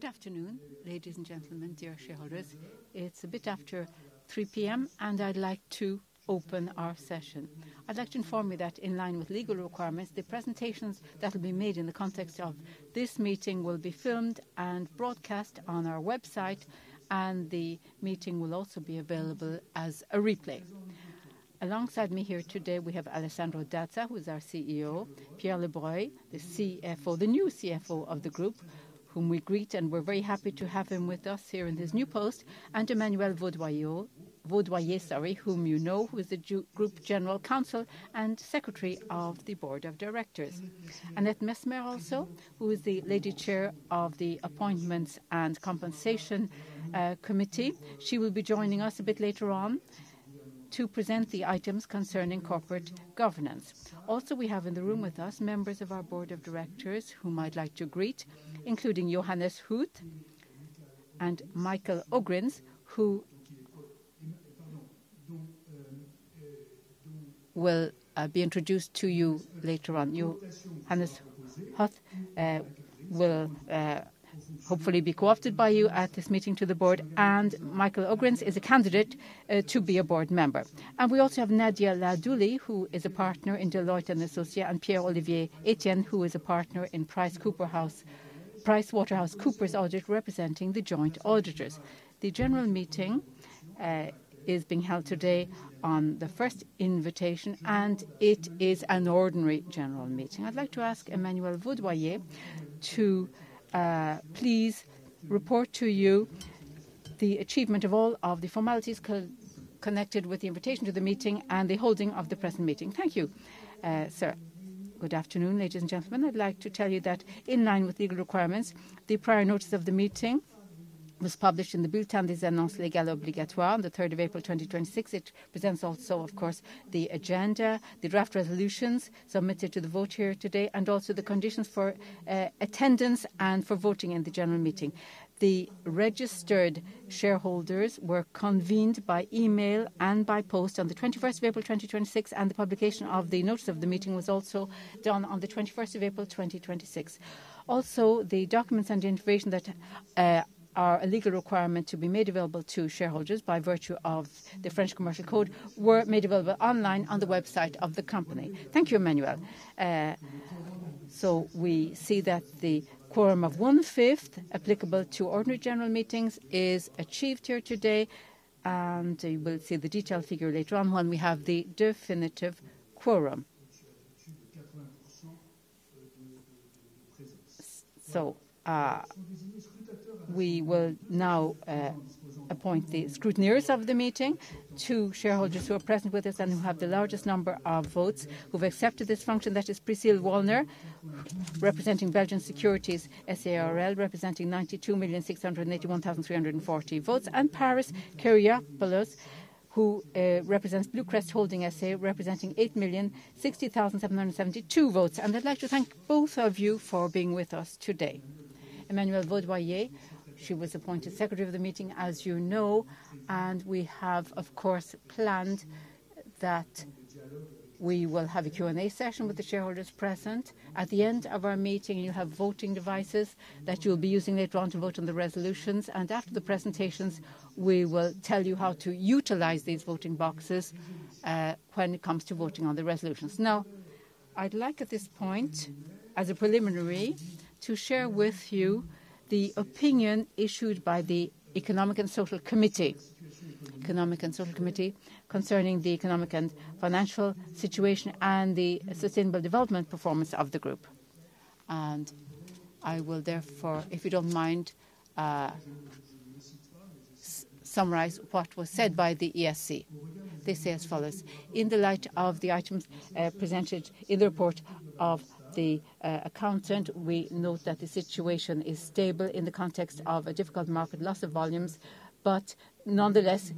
Good afternoon, ladies and gentlemen, dear shareholders. It's a bit after 3:00 p.m. I'd like to open our session. I'd like to inform you that in line with legal requirements, the presentations that will be made in the context of this meeting will be filmed and broadcast on our website, the meeting will also be available as a replay. Alongside me here today, we have Alessandro Dazza, who is our CEO; Pierre Lebreuil, the CFO, the new CFO of the group, whom we greet, we're very happy to have him with us here in his new post; Emmanuelle Vaudoyer, whom you know, who is the Group General Counsel and Secretary of the Board of Directors. Annette Messemer also, who is the Chair of the Appointments and Compensation Committee. She will be joining us a bit later on to present the items concerning corporate governance. We have in the room with us members of our Board of Directors, whom I'd like to greet, including Johannes Huth and Michael Ogrinz, who will be introduced to you later on. Johannes Huth will hopefully be co-opted by you at this meeting to the board, and Michael Ogrinz is a candidate to be a board member. We also have Nadia Laadouli, who is a partner in Deloitte & Associés, and Pierre-Olivier Etienne, who is a partner in PricewaterhouseCoopers Audit, representing the joint auditors. The general meeting is being held today on the first invitation, and it is an ordinary general meeting. I'd like to ask Emmanuelle Vaudoyer to please report to you the achievement of all of the formalities co-connected with the invitation to the meeting and the holding of the present meeting. Thank you, sir. Good afternoon, ladies and gentlemen. I'd like to tell you that in line with legal requirements, the prior notice of the meeting was published in the Bulletin des annonces légales obligatoires on the third of April, 2026. It presents also, of course, the agenda, the draft resolutions submitted to the vote here today, and also the conditions for attendance and for voting in the general meeting. The registered shareholders were convened by email and by post on the twenty-first of April, 2026, and the publication of the notice of the meeting was also done on the twenty-first of April, 2026. The documents and the information that are a legal requirement to be made available to shareholders by virtue of the French Commercial Code were made available online on the website of the company. Thank you, Emmanuelle. We see that the quorum of one-fifth applicable to ordinary general meetings is achieved here today, and we'll see the detailed figure later on when we have the definitive quorum. We will now appoint the scrutineers of the meeting. Two shareholders who are present with us and who have the largest number of votes, who have accepted this function, that is Priscille Wollner, representing Belgian Securities SARL, representing 92,681,340 votes; and Paris Kyriacopoulos, who represents Blue Crest Holding SA, representing 8,060,772 votes. I'd like to thank both of you for being with us today. Emmanuelle Vaudoyer, she was appointed secretary of the meeting, as you know, and we have, of course, planned that we will have a Q&A session with the shareholders present. At the end of our meeting, you have voting devices that you'll be using later on to vote on the resolutions. After the presentations, we will tell you how to utilize these voting boxes when it comes to voting on the resolutions. I'd like, at this point, as a preliminary, to share with you the opinion issued by the Economic and Social Committee concerning the economic and financial situation and the sustainable development performance of the group. I will therefore, if you don't mind, summarize what was said by the ESC. They say as follows: "In the light of the items presented in the report of the accountant, we note that the situation is stable in the context of a difficult market loss of volumes. Nonetheless,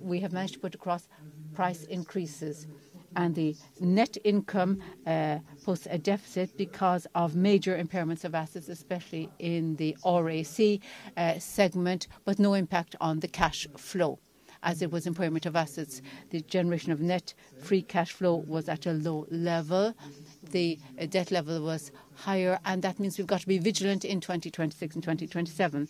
we have managed to put across price increases. The net income posts a deficit because of major impairments of assets, especially in the RAC segment, but no impact on the cash flow. As it was impairment of assets, the generation of net free cash flow was at a low level. The debt level was higher, and that means we've got to be vigilant in 2026 and 2027.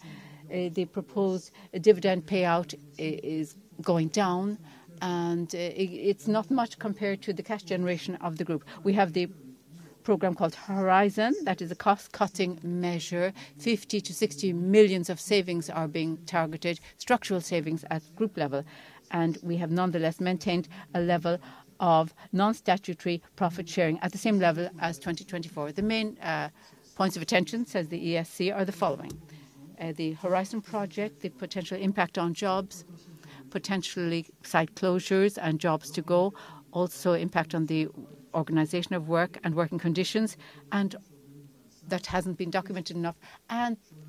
The proposed dividend payout is going down, and it's not much compared to the cash generation of the group. We have the program called Horizon. That is a cost-cutting measure. 50 million to 60 million of savings are being targeted, structural savings at group level. We have nonetheless maintained a level of non-statutory profit sharing at the same level as 2024. The main points of attention, says the ESC, are the following: The Project Horizon, the potential impact on jobs, potentially site closures and jobs to go. Also, impact on the organization of work and working conditions, and that hasn't been documented enough.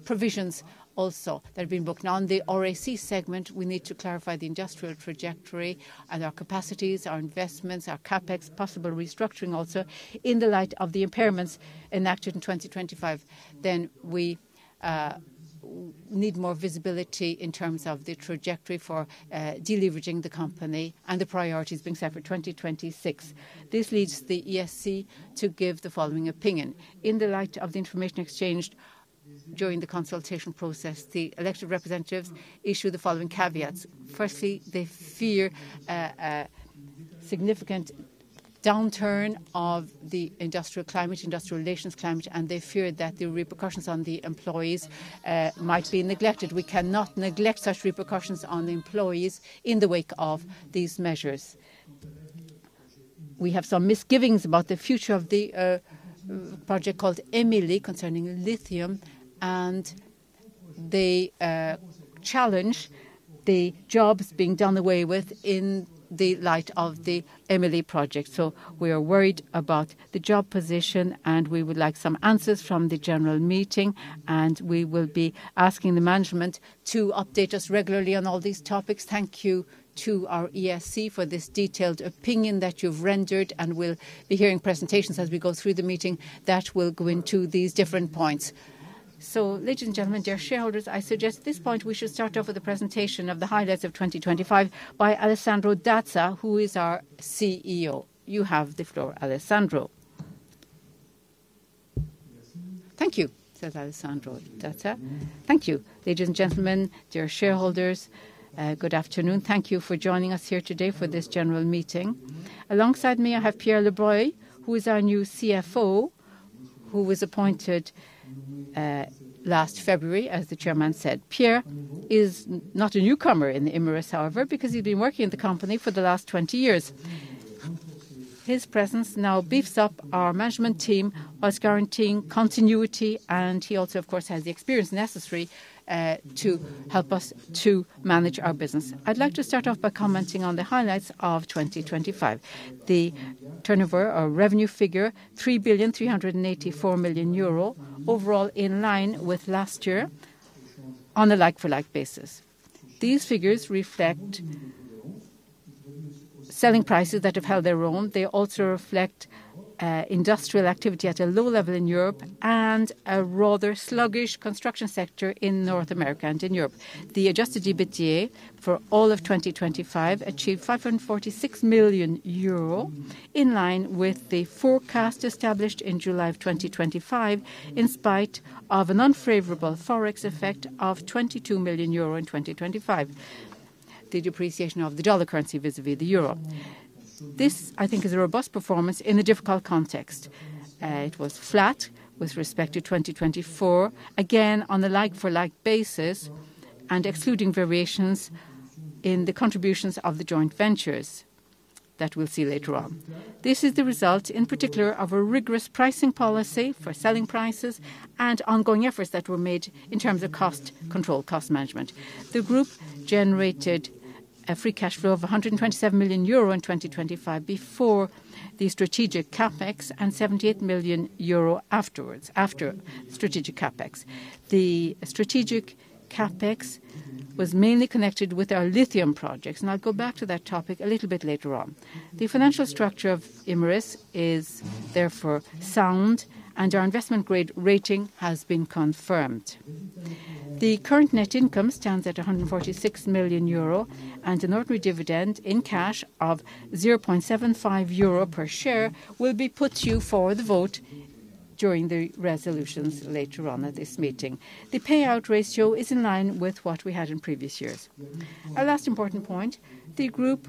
Provisions also that have been booked. Now, on the RAC segment, we need to clarify the industrial trajectory and our capacities, our investments, our CapEx, possible restructuring also in the light of the impairments enacted in 2025. We need more visibility in terms of the trajectory for deleveraging the company and the priorities being set for 2026. This leads the ESC to give the following opinion. In the light of the information exchanged during the consultation process, the elected representatives issued the following caveats. Firstly, they fear a significant downturn of the industrial climate, industrial relations climate, and they fear that the repercussions on the employees might be neglected. We cannot neglect such repercussions on the employees in the wake of these measures. We have some misgivings about the future of the project called EMILI, concerning lithium, and they challenge the jobs being done away with in the light of the EMILI project. We are worried about the job position. We would like some answers from the general meeting. We will be asking the management to update us regularly on all these topics. Thank you to our ESC for this detailed opinion that you've rendered. We'll be hearing presentations as we go through the meeting that will go into these different points. Ladies and gentlemen, dear shareholders, I suggest at this point we should start off with the presentation of the highlights of 2025 by Alessandro Dazza, who is our CEO. You have the floor, Alessandro. "Thank you," says Alessandro Dazza. Thank you. Ladies and gentlemen, dear shareholders, good afternoon. Thank you for joining us here today for this general meeting. Alongside me, I have Pierre Lebreuil, who is our new CFO, who was appointed last February, as the Chairman said. Pierre is not a newcomer in Imerys, however, because he's been working at the company for the last 20 years. His presence now beefs up our management team, thus guaranteeing continuity, and he also, of course, has the experience necessary to help us to manage our business. I'd like to start off by commenting on the highlights of 2025. The turnover or revenue figure, 3,384 million euro, overall in line with last year on a like-for-like basis. These figures reflect selling prices that have held their own. They also reflect industrial activity at a low level in Europe and a rather sluggish construction sector in North America and in Europe. The adjusted EBITDA for all of 2025 achieved 546 million euro, in line with the forecast established in July of 2025, in spite of an unfavorable Forex effect of 22 million euro in 2025, the depreciation of the dollar currency vis-à-vis the euro. This, I think, is a robust performance in a difficult context. It was flat with respect to 2024, again on a like-for-like basis and excluding variations in the contributions of the joint ventures that we'll see later on. This is the result, in particular, of a rigorous pricing policy for selling prices and ongoing efforts that were made in terms of cost control, cost management. The group generated a free cash flow of 127 million euro in 2025 before the strategic CapEx and 78 million euro afterwards, after strategic CapEx. The strategic CapEx was mainly connected with our lithium projects, and I'll go back to that topic a little bit later on. The financial structure of Imerys is therefore sound, and our investment-grade rating has been confirmed. The current net income stands at 146 million euro, an ordinary dividend in cash of 0.75 euro per share will be put to you for the vote during the resolutions later on at this meeting. The payout ratio is in line with what we had in previous years. A last important point, the group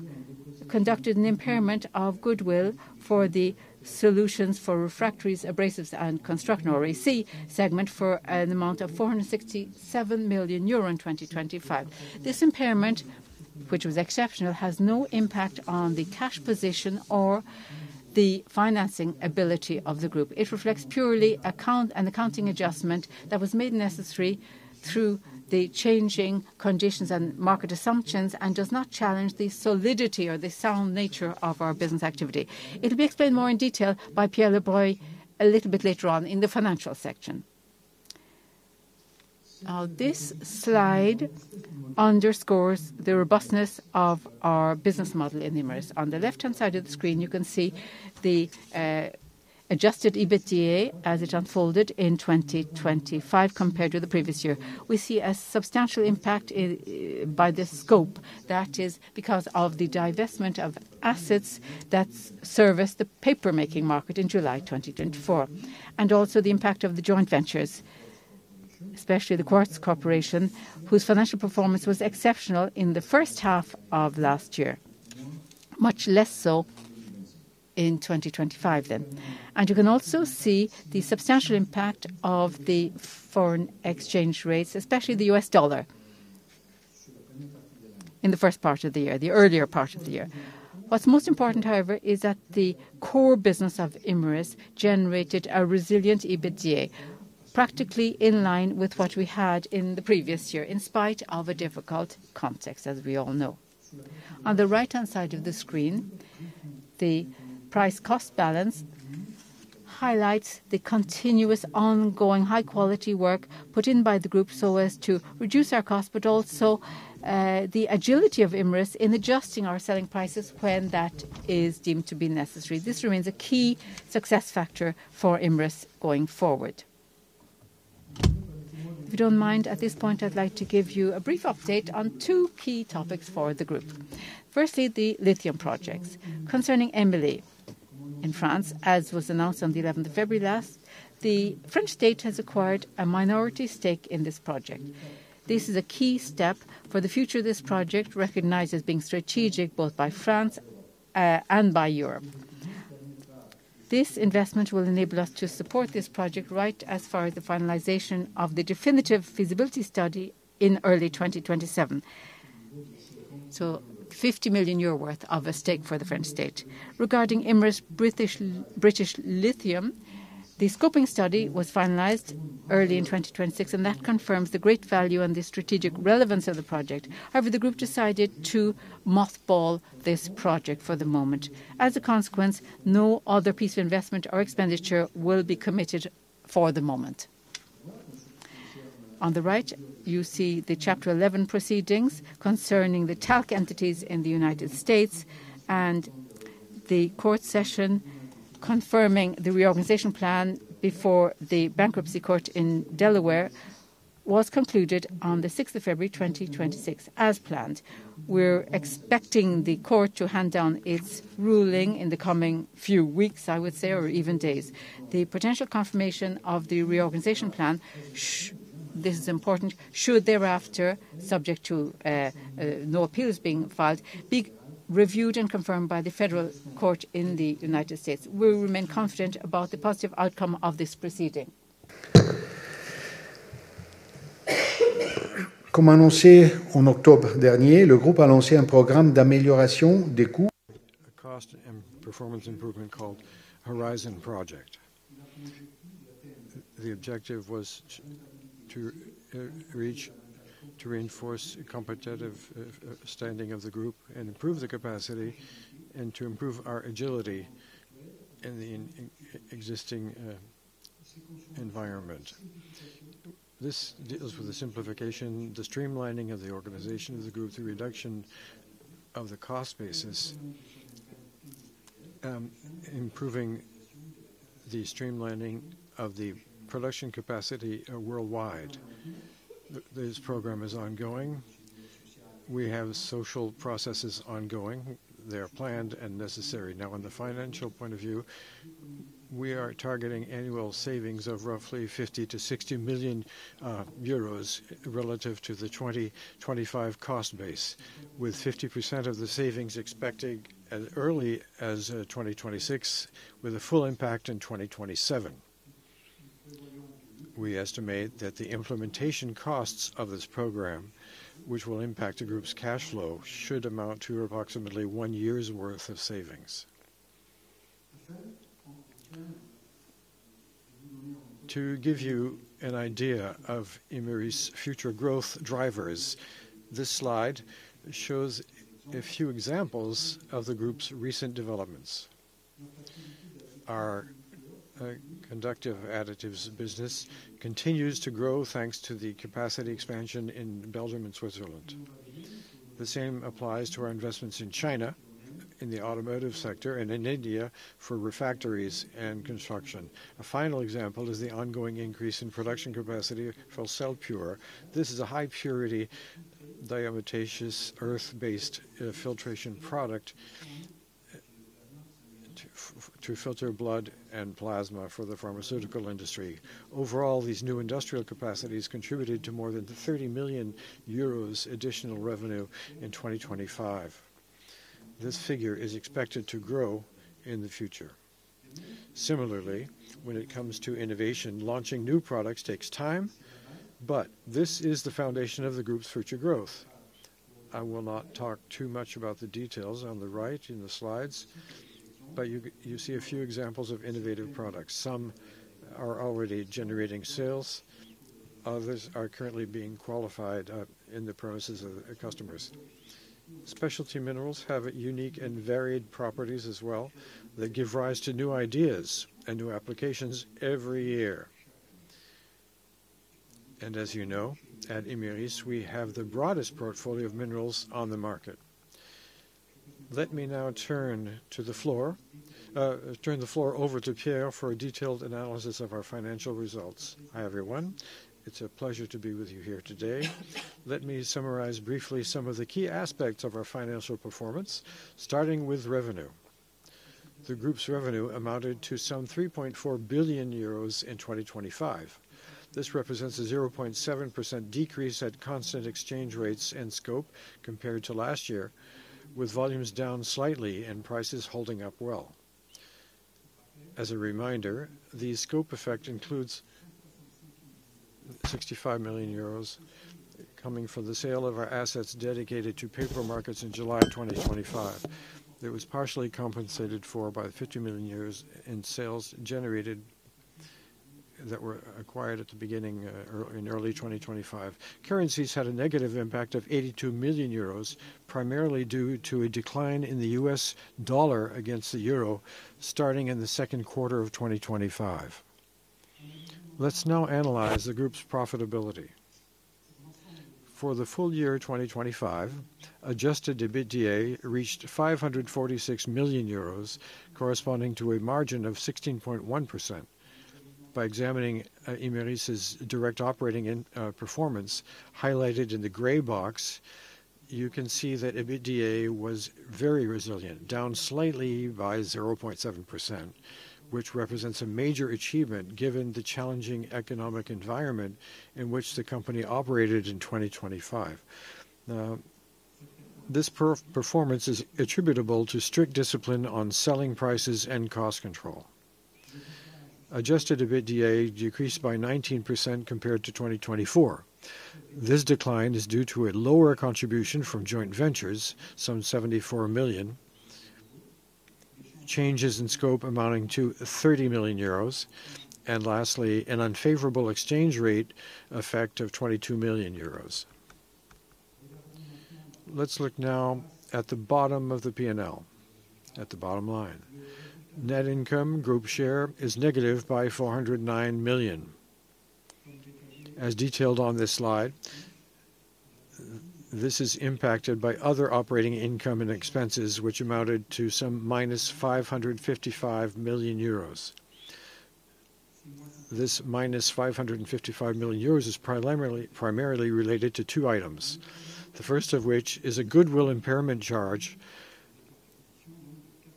conducted an impairment of goodwill for the solutions for refractories, abrasives, and construction, or RAC segment, for an amount of 467 million euro in 2025. This impairment, which was exceptional, has no impact on the cash position or the financing ability of the group. It reflects purely an accounting adjustment that was made necessary through the changing conditions and market assumptions and does not challenge the solidity or the sound nature of our business activity. It'll be explained more in detail by Pierre Lebreuil a little bit later on in the financial section. Now, this slide underscores the robustness of our business model in Imerys. On the left-hand side of the screen, you can see the adjusted EBITDA as it unfolded in 2025 compared to the previous year. We see a substantial impact by the scope. That is because of the divestment of assets that service the paper-making market in July 2024 and also the impact of the joint ventures, especially The Quartz Corporation, whose financial performance was exceptional in the first half of last year, much less so in 2025 then. You can also see the substantial impact of the foreign exchange rates, especially the U.S. dollar, in the first part of the year, the earlier part of the year. What's most important, however, is that the core business of Imerys generated a resilient EBITDA, practically in line with what we had in the previous year, in spite of a difficult context, as we all know. On the right-hand side of the screen, the price-cost balance highlights the continuous ongoing high-quality work put in by the group so as to reduce our cost, but also, the agility of Imerys in adjusting our selling prices when that is deemed to be necessary. This remains a key success factor for Imerys going forward. If you don't mind, at this point, I'd like to give you a brief update on two key topics for the group. Firstly, the lithium projects. Concerning EMILI in France, as was announced on the 11th of February last, the French state has acquired a minority stake in this project. This is a key step for the future of this project, recognized as being strategic both by France and by Europe. This investment will enable us to support this project right as far as the finalization of the definitive feasibility study in early 2027. 50 million euro worth of a stake for the French state. Regarding Imerys British Lithium, the scoping study was finalized early in 2026, and that confirms the great value and the strategic relevance of the project. However, the group decided to mothball this project for the moment. As a consequence, no other piece of investment or expenditure will be committed for the moment. On the right you see the Chapter 11 proceedings concerning the talc entities in the U.S., and the court session confirming the reorganization plan before the Bankruptcy Court in Delaware was concluded on the 6th of February, 2026, as planned. We're expecting the court to hand down its ruling in the coming few weeks, I would say, or even days. The potential confirmation of the reorganization plan, this is important, should thereafter, subject to no appeals being filed, be reviewed and confirmed by the federal court in the U.S. We remain confident about the positive outcome of this proceeding. A cost and performance improvement called Project Horizon. The objective was to reach to reinforce competitive standing of the group and improve the capacity and to improve our agility in the existing environment. This deals with the simplification, the streamlining of the organization of the group, the reduction of the cost basis, improving the streamlining of the production capacity worldwide. This program is ongoing. We have social processes ongoing. They are planned and necessary. Now, on the financial point of view, we are targeting annual savings of roughly 50 million-60 million euros relative to the 2025 cost base, with 50% of the savings expected as early as 2026, with a full impact in 2027. We estimate that the implementation costs of this program, which will impact the group's cash flow, should amount to approximately one year's worth of savings. To give you an idea of Imerys' future growth drivers, this slide shows a few examples of the group's recent developments. Our Conductive Additives business continues to grow thanks to the capacity expansion in Belgium and Switzerland. The same applies to our investments in China, in the automotive sector and in India for refractories and construction. A final example is the ongoing increase in production capacity for Celpure. This is a high-purity diatomaceous earth-based filtration product to filter blood and plasma for the pharmaceutical industry. Overall, these new industrial capacities contributed to more than 30 million euros additional revenue in 2025. This figure is expected to grow in the future. Similarly, when it comes to innovation, launching new products takes time, but this is the foundation of the group's future growth. I will not talk too much about the details on the right in the slides, but you see a few examples of innovative products. Some are already generating sales, others are currently being qualified in the premises of our customers. Specialty minerals have unique and varied properties as well that give rise to new ideas and new applications every year. As you know, at Imerys, we have the broadest portfolio of minerals on the market. Let me now turn the floor over to Pierre for a detailed analysis of our financial results. Hi, everyone. It's a pleasure to be with you here today. Let me summarize briefly some of the key aspects of our financial performance, starting with revenue. The group's revenue amounted to some 3.4 billion euros in 2025. This represents a 0.7% decrease at constant exchange rates and scope compared to last year, with volumes down slightly and prices holding up well. As a reminder, the scope effect includes 65 million euros coming from the sale of our assets dedicated to paper markets in July 2025. It was partially compensated for by 50 million in sales generated that were acquired at the beginning, in early 2025. Currencies had a negative impact of 82 million euros, primarily due to a decline in the U.S. dollar against the euro starting in the second quarter of 2025. Let's now analyze the group's profitability. For the full year 2025, adjusted EBITDA reached 546 million euros, corresponding to a margin of 16.1%. By examining Imerys' direct operating in performance highlighted in the gray box, you can see that EBITDA was very resilient, down slightly by 0.7%, which represents a major achievement given the challenging economic environment in which the company operated in 2025. This performance is attributable to strict discipline on selling prices and cost control. Adjusted EBITDA decreased by 19% compared to 2024. This decline is due to a lower contribution from joint ventures, some 74 million, changes in scope amounting to 30 million euros, and lastly, an unfavorable exchange rate effect of 22 million euros. Let's look now at the bottom of the P&L, at the bottom line. Net income group share is negative by 409 million. As detailed on this slide, this is impacted by other operating income and expenses which amounted to some minus 555 million euros. This minus 555 million euros is primarily related to two items. The first of which is a goodwill impairment charge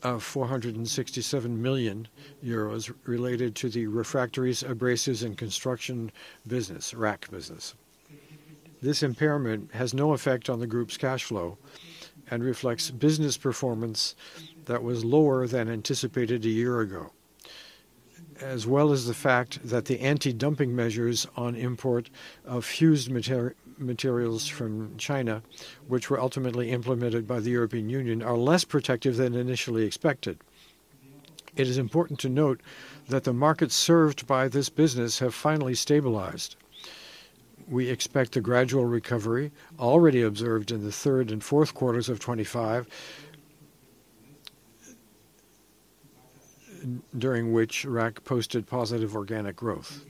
of 467 million euros related to the refractories, abrasives, and construction business, RAC business. This impairment has no effect on the group's cash flow and reflects business performance that was lower than anticipated a year ago, as well as the fact that the anti-dumping measures on import of fused materials from China, which were ultimately implemented by the European Union, are less protective than initially expected. It is important to note that the markets served by this business have finally stabilized. We expect a gradual recovery already observed in the third and fourth quarters of 2025 during which RAC posted positive organic growth.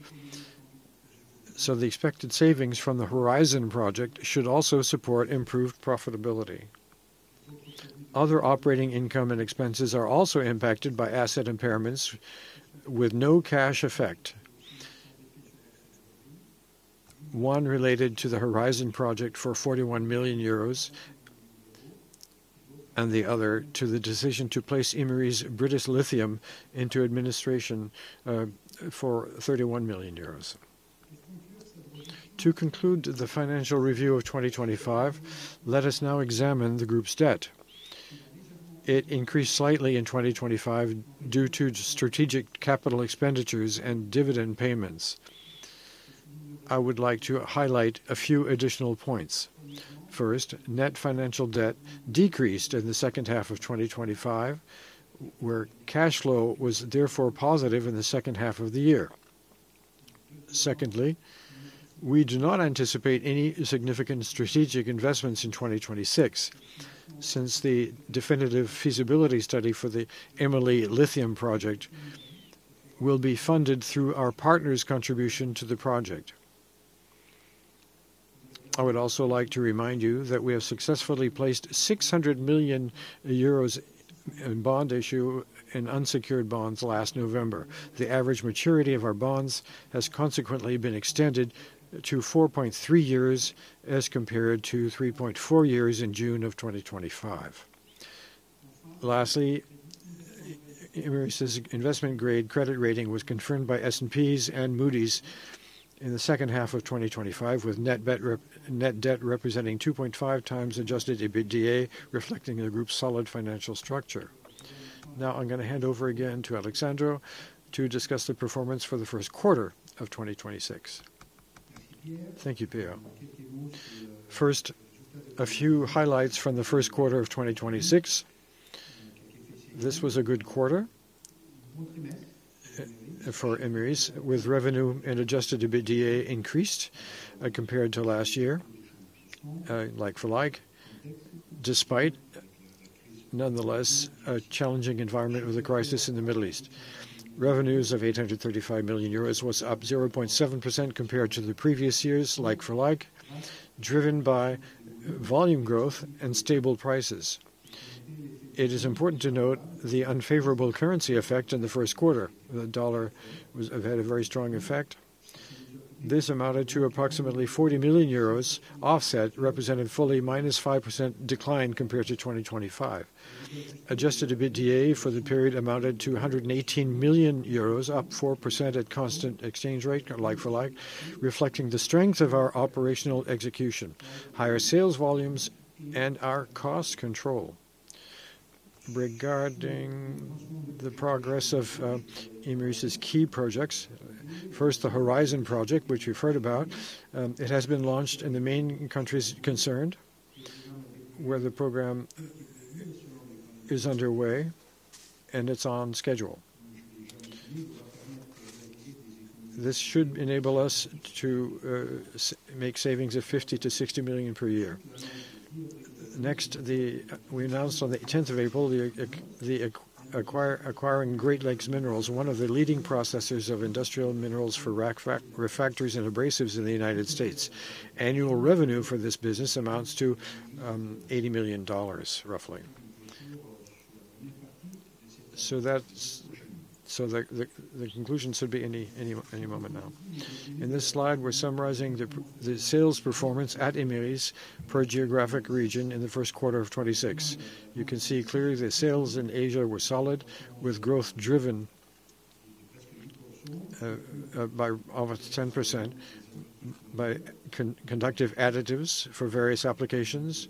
The expected savings from Project Horizon should also support improved profitability. Other operating income and expenses are also impacted by asset impairments with no cash effect. One related to Project Horizon for 41 million euros, and the other to the decision to place Imerys British Lithium into administration for 31 million euros. To conclude the financial review of 2025, let us now examine the group's debt. It increased slightly in 2025 due to strategic capital expenditures and dividend payments. I would like to highlight a few additional points. First, net financial debt decreased in the second half of 2025, where cash flow was therefore positive in the second half of the year. Secondly, we do not anticipate any significant strategic investments in 2026, since the definitive feasibility study for the EMILI Lithium project will be funded through our partner's contribution to the project. I would also like to remind you that we have successfully placed 600 million euros in bond issue in unsecured bonds last November. The average maturity of our bonds has consequently been extended to 4.3 years as compared to 3.4 years in June of 2025. Lastly, Imerys' investment-grade credit rating was confirmed by S&P and Moody's in the second half of 2025, with net debt representing 2.5x adjusted EBITDA, reflecting the group's solid financial structure. I'm gonna hand over again to Alessandro Dazza to discuss the performance for the first quarter of 2026. Thank you, Pierre. First, a few highlights from the first quarter of 2026. This was a good quarter for Imerys, with revenue and adjusted EBITDA increased compared to last year, like for like, despite nonetheless a challenging environment with the crisis in the Middle East. Revenues of 835 million euros was up 0.7% compared to the previous year's like for like, driven by volume growth and stable prices. It is important to note the unfavorable currency effect in the first quarter. The USD had a very strong effect. This amounted to approximately 40 million euros offset, represented fully minus 5% decline compared to 2025. Adjusted EBITDA for the period amounted to 118 million euros, up 4% at constant exchange rate like for like, reflecting the strength of our operational execution, higher sales volumes, and our cost control. Regarding the progress of Imerys' key projects, first, Project Horizon, which you've heard about, it has been launched in the main countries concerned, where the program is underway, and it's on schedule. This should enable us to make savings of 50-60 million per year. We announced on the 10th of April acquiring Great Lakes Minerals, one of the leading processors of industrial minerals for refractories and abrasives in the U.S. Annual revenue for this business amounts to $80 million roughly. The conclusion should be any moment now. In this slide, we're summarizing the sales performance at Imerys per geographic region in the first quarter of 2026. You can see clearly the sales in Asia were solid with growth driven by over 10% by conductive additives for various applications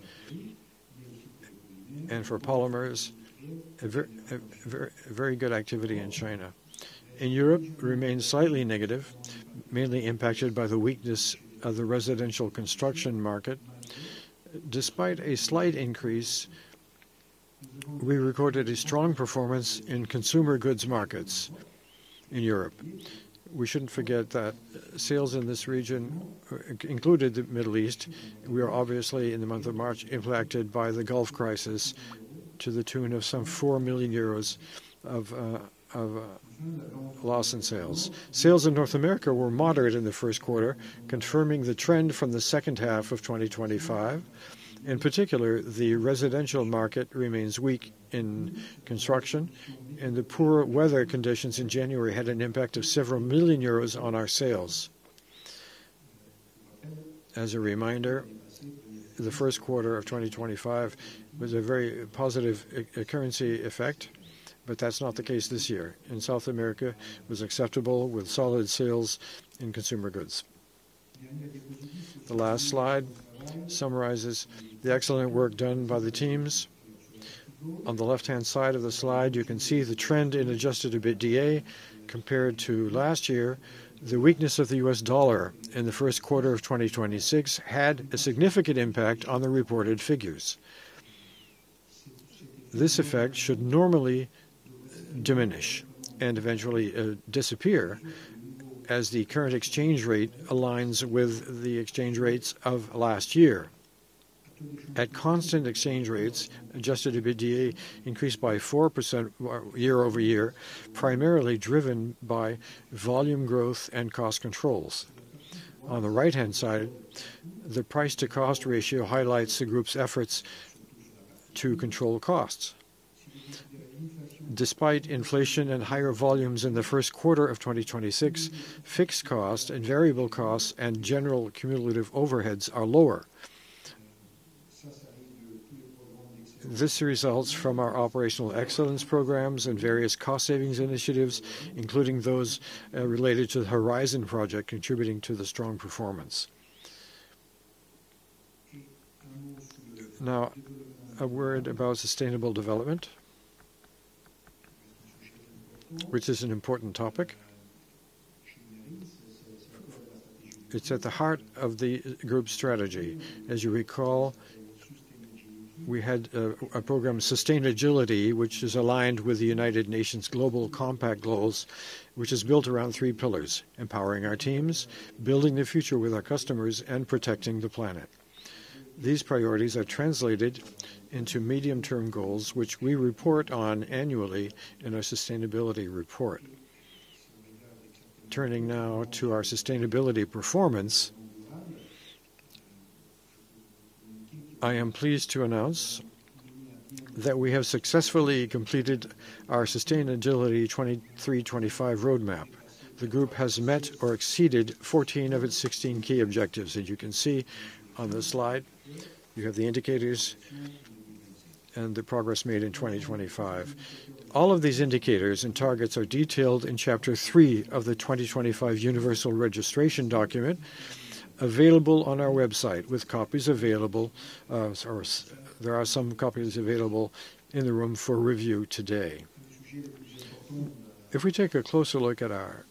and for polymers. A very good activity in China. Europe remains slightly negative, mainly impacted by the weakness of the residential construction market. Despite a slight increase, we recorded a strong performance in consumer goods markets in Europe. We shouldn't forget that sales in this region included the Middle East. We are obviously, in the month of March, impacted by the Gulf Crisis to the tune of some 4 million euros of loss in sales. Sales in North America were moderate in the first quarter, confirming the trend from the second half of 2025. In particular, the residential market remains weak in construction, and the poor weather conditions in January had an impact of several million EUR on our sales. As a reminder, the 1st quarter of 2025 was a very positive currency effect, but that's not the case this year, and South America was acceptable with solid sales in consumer goods. The last slide summarizes the excellent work done by the teams. On the left-hand side of the slide, you can see the trend in adjusted EBITDA compared to last year. The weakness of the U.S. dollar in the 1st quarter of 2026 had a significant impact on the reported figures. This effect should normally diminish and eventually disappear as the current exchange rate aligns with the exchange rates of last year. At constant exchange rates, adjusted EBITDA increased by 4% year-over-year, primarily driven by volume growth and cost controls. On the right-hand side, the price-to-cost ratio highlights the group's efforts to control costs. Despite inflation and higher volumes in the first quarter of 2026, fixed costs and variable costs and general cumulative overheads are lower. This results from our operational excellence programs and various cost savings initiatives, including those related to Project Horizon, contributing to the strong performance. A word about sustainable development, which is an important topic. It's at the heart of the group strategy. As you recall, we had a program, SustainAgility, which is aligned with the United Nations Global Compact goals, which is built around three pillars: empowering our teams, building the future with our customers, and protecting the planet. These priorities are translated into medium-term goals, which we report on annually in our sustainability report. Turning now to our sustainability performance, I am pleased to announce that we have successfully completed our SustainAgility '23-'25 roadmap. The group has met or exceeded 14 of its 16 key objectives. As you can see on the slide, you have the indicators and the progress made in 2025. All of these indicators and targets are detailed in chapter three of the 2025 Universal Registration Document available on our website with copies available, there are some copies available in the room for review today. If we take a closer look at our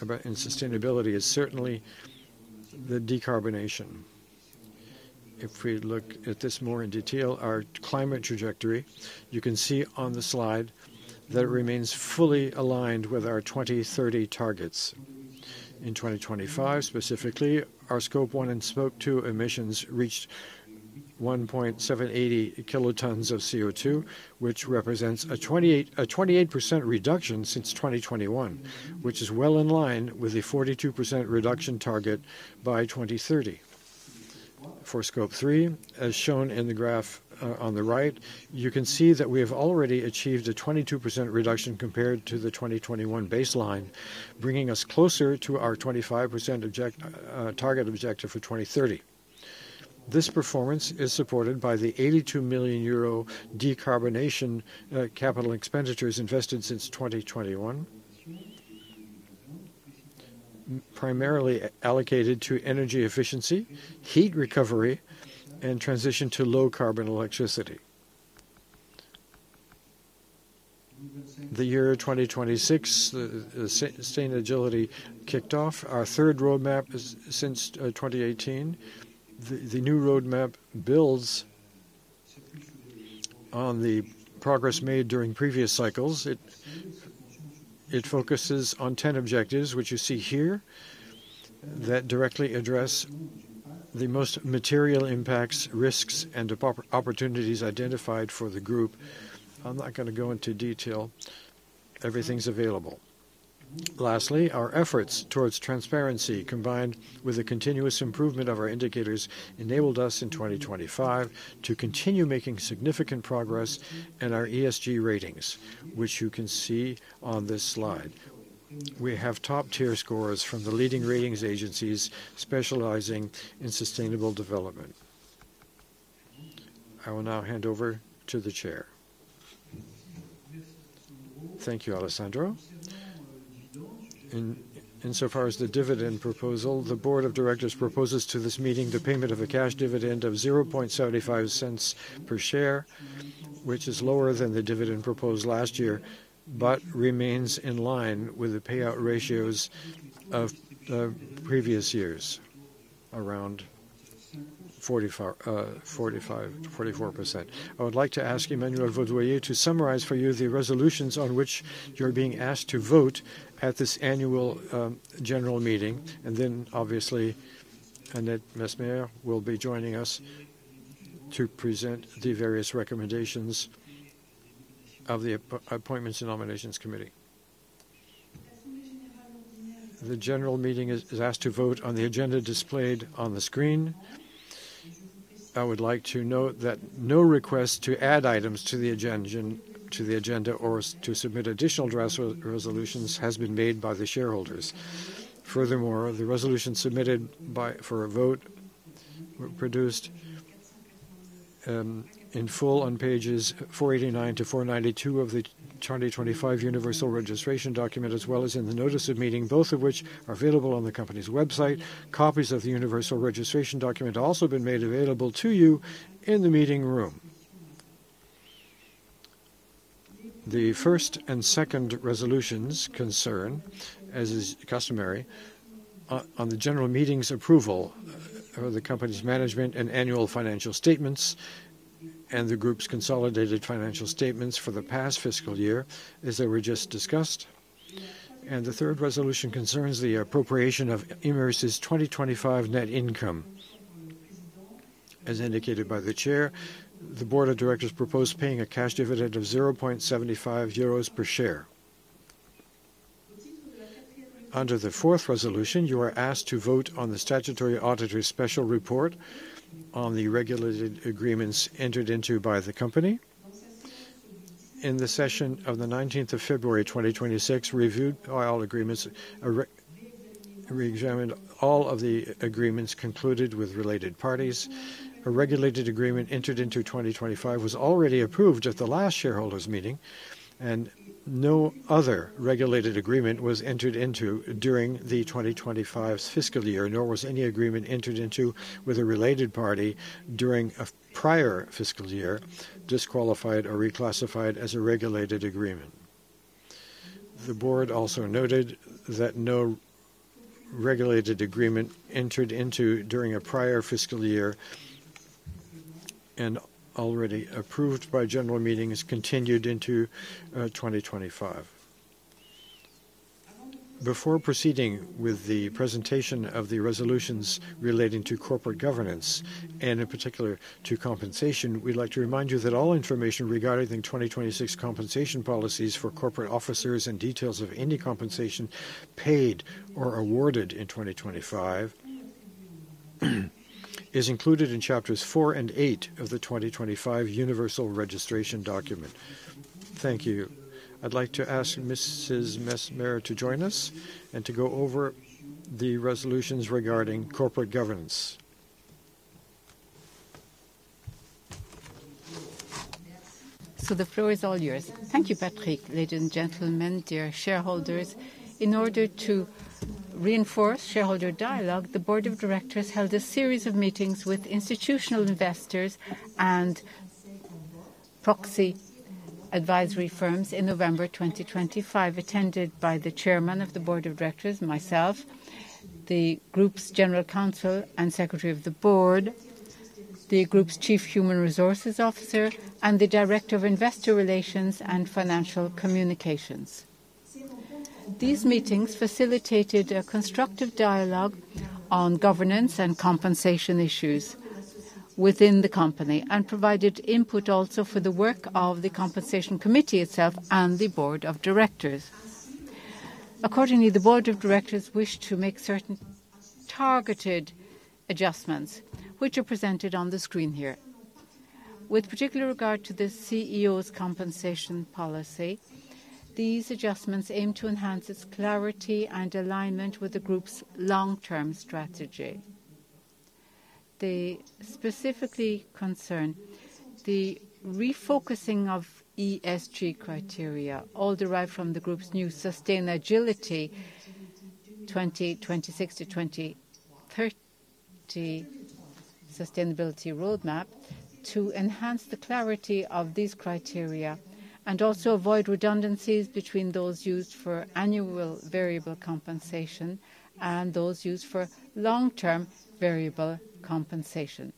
about in sustainability is certainly the decarbonization. If we look at this more in detail, our climate trajectory, you can see on the slide that it remains fully aligned with our 2030 targets. In 2025 specifically, our Scope 1 and Scope 2 emissions reached 1,780 kilotons of CO2, which represents a 28% reduction since 2021, which is well in line with the 42% reduction target by 2030. For Scope 3, as shown in the graph on the right, you can see that we have already achieved a 22% reduction compared to the 2021 baseline, bringing us closer to our 25% target objective for 2030. This performance is supported by the 82 million euro decarbonization CapEx invested since 2021, primarily allocated to energy efficiency, heat recovery, and transition to low-carbon electricity. The year 2026, SustainAgility kicked off our third roadmap since 2018. The new roadmap builds on the progress made during previous cycles. It focuses on 10 objectives which you see here that directly address the most material impacts, risks, and opportunities identified for the group. I'm not gonna go into detail. Everything's available. Lastly, our efforts towards transparency, combined with the continuous improvement of our indicators, enabled us in 2025 to continue making significant progress in our ESG ratings, which you can see on this slide. We have top-tier scores from the leading ratings agencies specializing in sustainable development. I will now hand over to the chair. Thank you, Alessandro. Insofar as the dividend proposal, the Board of Directors proposes to this meeting the payment of a cash dividend of 0.75 per share, which is lower than the dividend proposed last year, but remains in line with the payout ratios of the previous years, around 45%, 44%. I would like to ask Emmanuelle Vaudoyer to summarize for you the resolutions on which you're being asked to vote at this annual general meeting, and then obviously Annette Messemer will be joining us to present the various recommendations of the Appointments and Nominations Committee. The general meeting is asked to vote on the agenda displayed on the screen. I would like to note that no request to add items to the agenda or to submit additional draft resolutions has been made by the shareholders. Furthermore, the resolution submitted by for a vote were produced in full on pages 489 to 492 of the 2025 universal registration document, as well as in the notice of meeting, both of which are available on the company's website. Copies of the universal registration document have also been made available to you in the meeting room. The first and second resolutions concern, as is customary, on the general meeting's approval of the company's management and annual financial statements and the group's consolidated financial statements for the past fiscal year, as they were just discussed. The third resolution concerns the appropriation of Imerys' 2025 net income. As indicated by the Chair, the Board of Directors propose paying a cash dividend of 0.75 euros per share. Under the fourth resolution, you are asked to vote on the statutory auditor's special report on the regulated agreements entered into by the company. In the session of the 19th of February, 2026, reviewed by all agreements, reexamined all of the agreements concluded with related parties. A regulated agreement entered into 2025 was already approved at the last shareholders' meeting. No other regulated agreement was entered into during the 2025's fiscal year, nor was any agreement entered into with a related party during a prior fiscal year disqualified or reclassified as a regulated agreement. The board also noted that no regulated agreement entered into during a prior fiscal year and already approved by general meetings continued into 2025. Before proceeding with the presentation of the resolutions relating to corporate governance, and in particular to compensation, we'd like to remind you that all information regarding the 2026 compensation policies for corporate officers and details of any compensation paid or awarded in 2025 is included in chapters four and eight of the 2025 universal registration document. Thank you. I'd like to ask Mrs. Messemer to join us and to go over the resolutions regarding corporate governance. The floor is all yours. Thank you, Patrick. Ladies and gentlemen, dear shareholders, in order to reinforce shareholder dialogue, the Board of Directors held a series of meetings with institutional investors and proxy advisory firms in November 2025, attended by the Chairman of the Board of Directors, myself, the Group's General Counsel and Secretary of the Board, the Group's Chief Human Resources Officer, and the Director of Investor Relations and Financial Communications. These meetings facilitated a constructive dialogue on governance and compensation issues within the company and provided input also for the work of the Compensation Committee itself and the Board of Directors. Accordingly, the Board of Directors wished to make certain targeted adjustments, which are presented on the screen here. With particular regard to the CEO's compensation policy, these adjustments aim to enhance its clarity and alignment with the group's long-term strategy. They specifically concern the refocusing of ESG criteria, all derived from the group's new SustainAgility 2026 to 2030 sustainability roadmap to enhance the clarity of these criteria and also avoid redundancies between those used for annual variable compensation and those used for long-term variable compensation.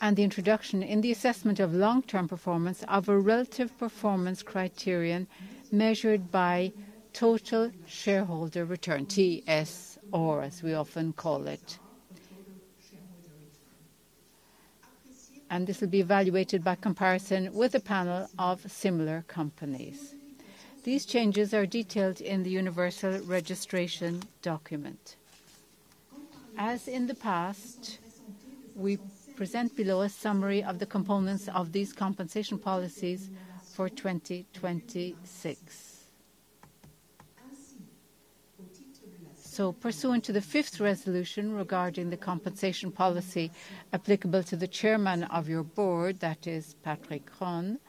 The introduction in the assessment of long-term performance of a relative performance criterion measured by total shareholder return, TSR, as we often call it. This will be evaluated by comparison with a panel of similar companies. These changes are detailed in the universal registration document. As in the past, we present below a summary of the components of these compensation policies for 2026. Pursuant to the fifth resolution regarding the compensation policy applicable to the Chairman of the Board, that is Patrick Kron,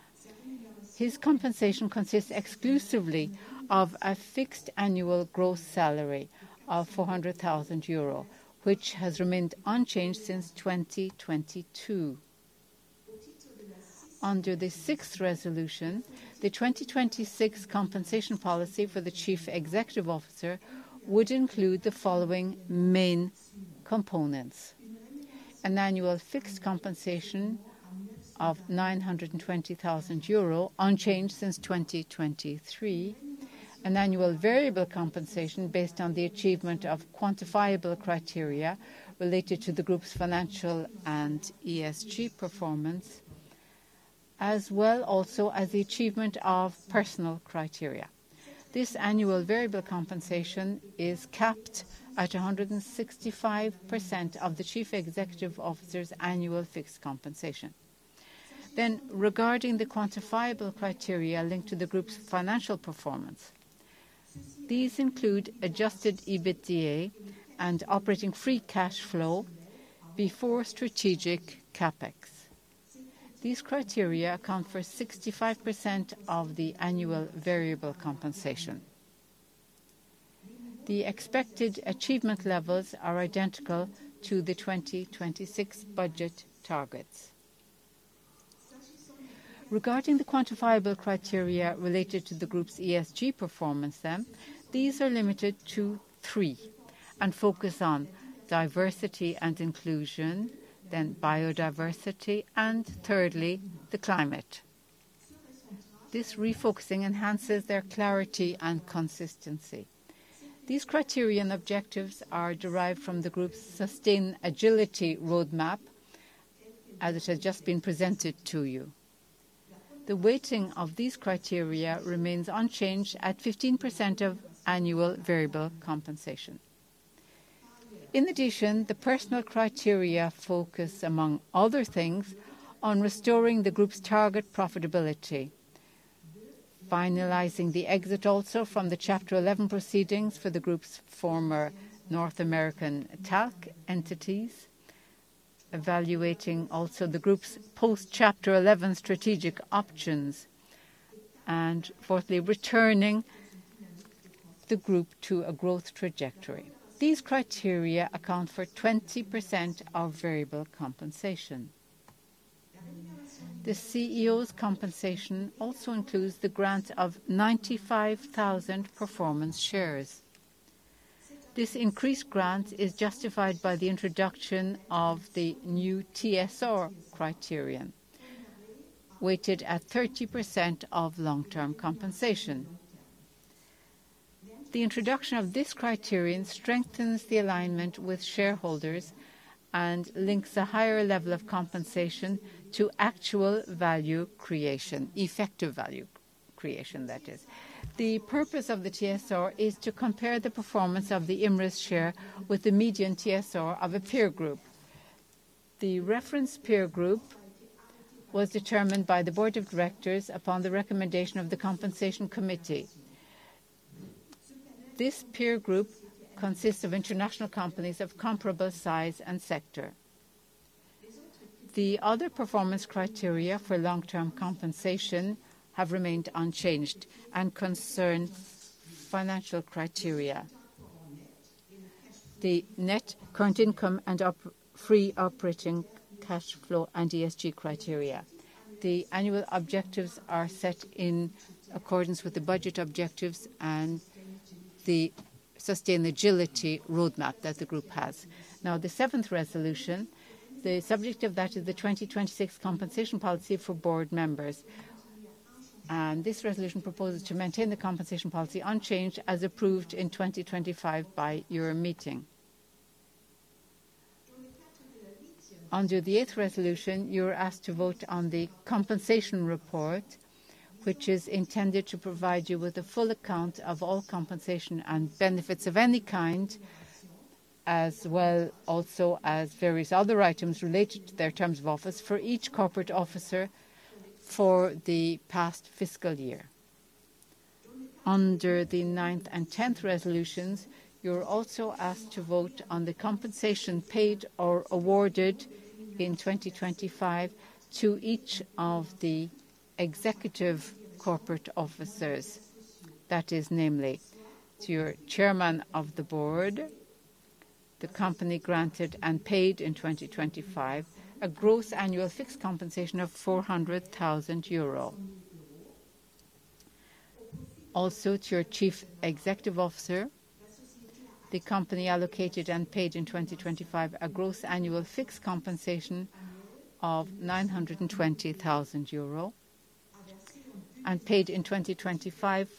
his compensation consists exclusively of a fixed annual gross salary of 400,000 euro, which has remained unchanged since 2022. Under the 6th resolution, the 2026 compensation policy for the Chief Executive Officer would include the following main components: an annual fixed compensation of 920,000 euro, unchanged since 2023; an annual variable compensation based on the achievement of quantifiable criteria related to the group's financial and ESG performance, as well also as the achievement of personal criteria. This annual variable compensation is capped at 165% of the Chief Executive Officer's annual fixed compensation. Regarding the quantifiable criteria linked to the group's financial performance, these include adjusted EBITDA and operating free cash flow before strategic CapEx. These criteria account for 65% of the annual variable compensation. The expected achievement levels are identical to the 2026 budget targets. Regarding the quantifiable criteria related to the group's ESG performance then, these are limited to 3 and focus on diversity and inclusion, then biodiversity, and thirdly, the climate. This refocusing enhances their clarity and consistency. These criterion objectives are derived from the group's SustainAgility roadmap as it has just been presented to you. The weighting of these criteria remains unchanged at 15% of annual variable compensation. In addition, the personal criteria focus, among other things, on restoring the group's target profitability. Finalizing the exit also from the Chapter 11 proceedings for the group's former North American talc entities. Evaluating also the group's post-Chapter 11 strategic options. Fourthly, returning the group to a growth trajectory. These criteria account for 20% of variable compensation. The CEO's compensation also includes the grant of 95,000 performance shares. This increased grant is justified by the introduction of the new TSR criterion, weighted at 30% of long-term compensation. The introduction of this criterion strengthens the alignment with shareholders and links a higher level of compensation to actual value creation. Effective value creation, that is. The purpose of the TSR is to compare the performance of the Imerys share with the median TSR of a peer group. The reference peer group was determined by the Board of Directors upon the recommendation of the compensation committee. This peer group consists of international companies of comparable size and sector. The other performance criteria for long-term compensation have remained unchanged and concern financial criteria. The net current income and free operating cash flow and ESG criteria. The annual objectives are set in accordance with the budget objectives and the SustainAgility roadmap that the group has. Now, the seventh resolution, the subject of that is the 2026 compensation policy for board members. This resolution proposes to maintain the compensation policy unchanged as approved in 2025 by your meeting. Under the eighth resolution, you're asked to vote on the compensation report, which is intended to provide you with a full account of all compensation and benefits of any kind, as well also as various other items related to their terms of office for each corporate officer for the past fiscal year. Under the ninth and tenth resolutions, you're also asked to vote on the compensation paid or awarded in 2025 to each of the executive corporate officers. That is namely to your Chairman of the Board, the company granted and paid in 2025 a gross annual fixed compensation of 400,000 euro. To your Chief Executive Officer, the company allocated and paid in 2025 a gross annual fixed compensation of 920,000 euro. Paid in 2025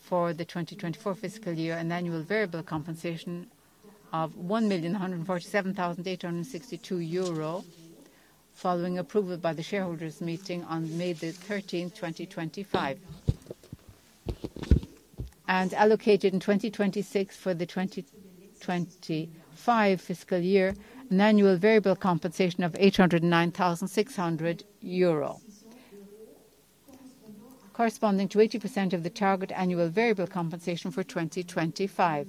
for the FY 2024 an annual variable compensation of 1,147,862 euro following approval by the shareholders meeting on May 13, 2025. Allocated in 2026 for the FY 2025 an annual variable compensation of 809,600 euro corresponding to 80% of the target annual variable compensation for 2025.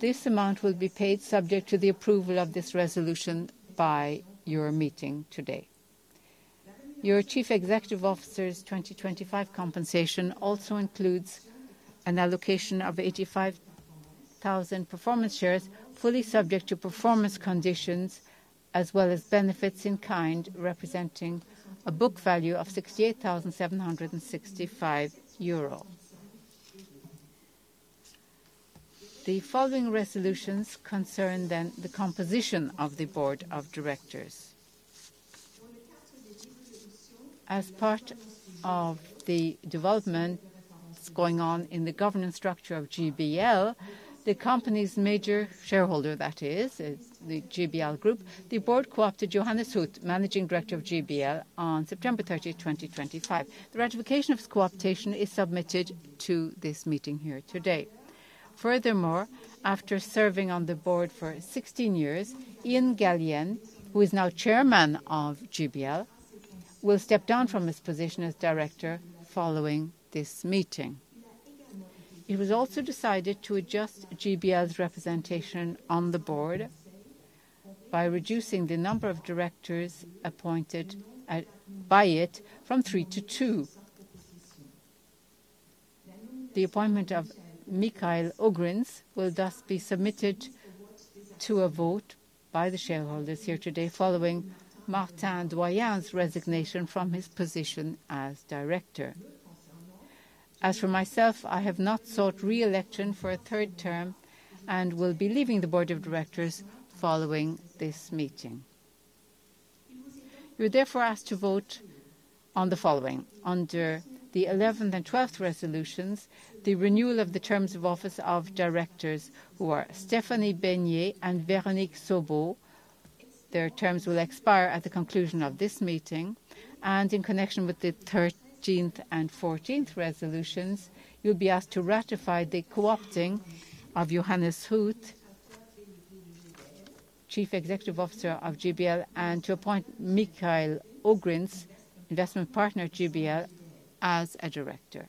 This amount will be paid subject to the approval of this resolution by your meeting today. Your Chief Executive Officer's 2025 compensation also includes an allocation of 85,000 performance shares, fully subject to performance conditions as well as benefits in kind representing a book value of 68,765 euro. The following resolutions concern the composition of the Board of Directors. As part of the developments going on in the governance structure of GBL, the company's major shareholder that is the GBL Group, the Board co-opted Johannes Huth, Managing Director of GBL, on September 30, 2025. The ratification of his co-optation is submitted to this meeting here today. After serving on the Board for 16 years, Ian Gallienne, who is now Chairman of GBL, will step down from his position as Director following this meeting. It was also decided to adjust GBL's representation on the board by reducing the number of directors appointed by it from three to two. The appointment of Michael Ogrinz will thus be submitted to a vote by the shareholders here today following Martin Doyen's resignation from his position as director. As for myself, I have not sought re-election for a third term and will be leaving the Board of Directors following this meeting. You're therefore asked to vote on the following. Under the eleventh and twelfth resolutions, the renewal of the terms of office of directors who are Stéphanie Besnier and Véronique Saubot. Their terms will expire at the conclusion of this meeting, and in connection with the thirteenth and fourteenth resolutions, you'll be asked to ratify the co-opting of Johannes Huth, Chief Executive Officer of GBL, and to appoint Michael Ogrinz, investment partner at GBL, as a director.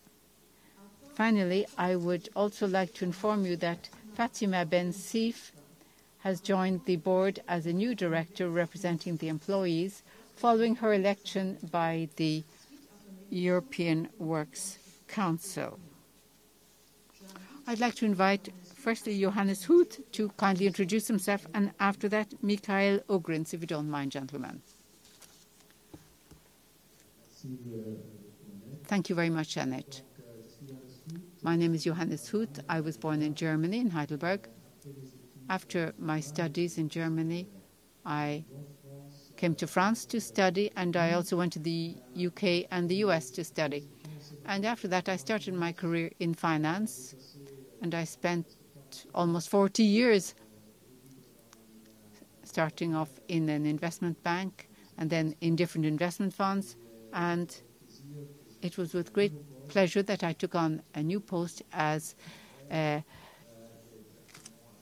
Finally, I would also like to inform you that Fatima Bensif has joined the board as a new director representing the employees following her election by the European Works Council. I'd like to invite firstly Johannes Huth to kindly introduce himself, and after that, Michael Ogrinz, if you don't mind, gentlemen. Thank you very much, Annette. My name is Johannes Huth. I was born in Germany, in Heidelberg. After my studies in Germany, I came to France to study, and I also went to the U.K. and the U.S. to study. After that, I started my career in finance, and I spent almost 40 years starting off in an investment bank and then in different investment funds. It was with great pleasure that I took on a new post as a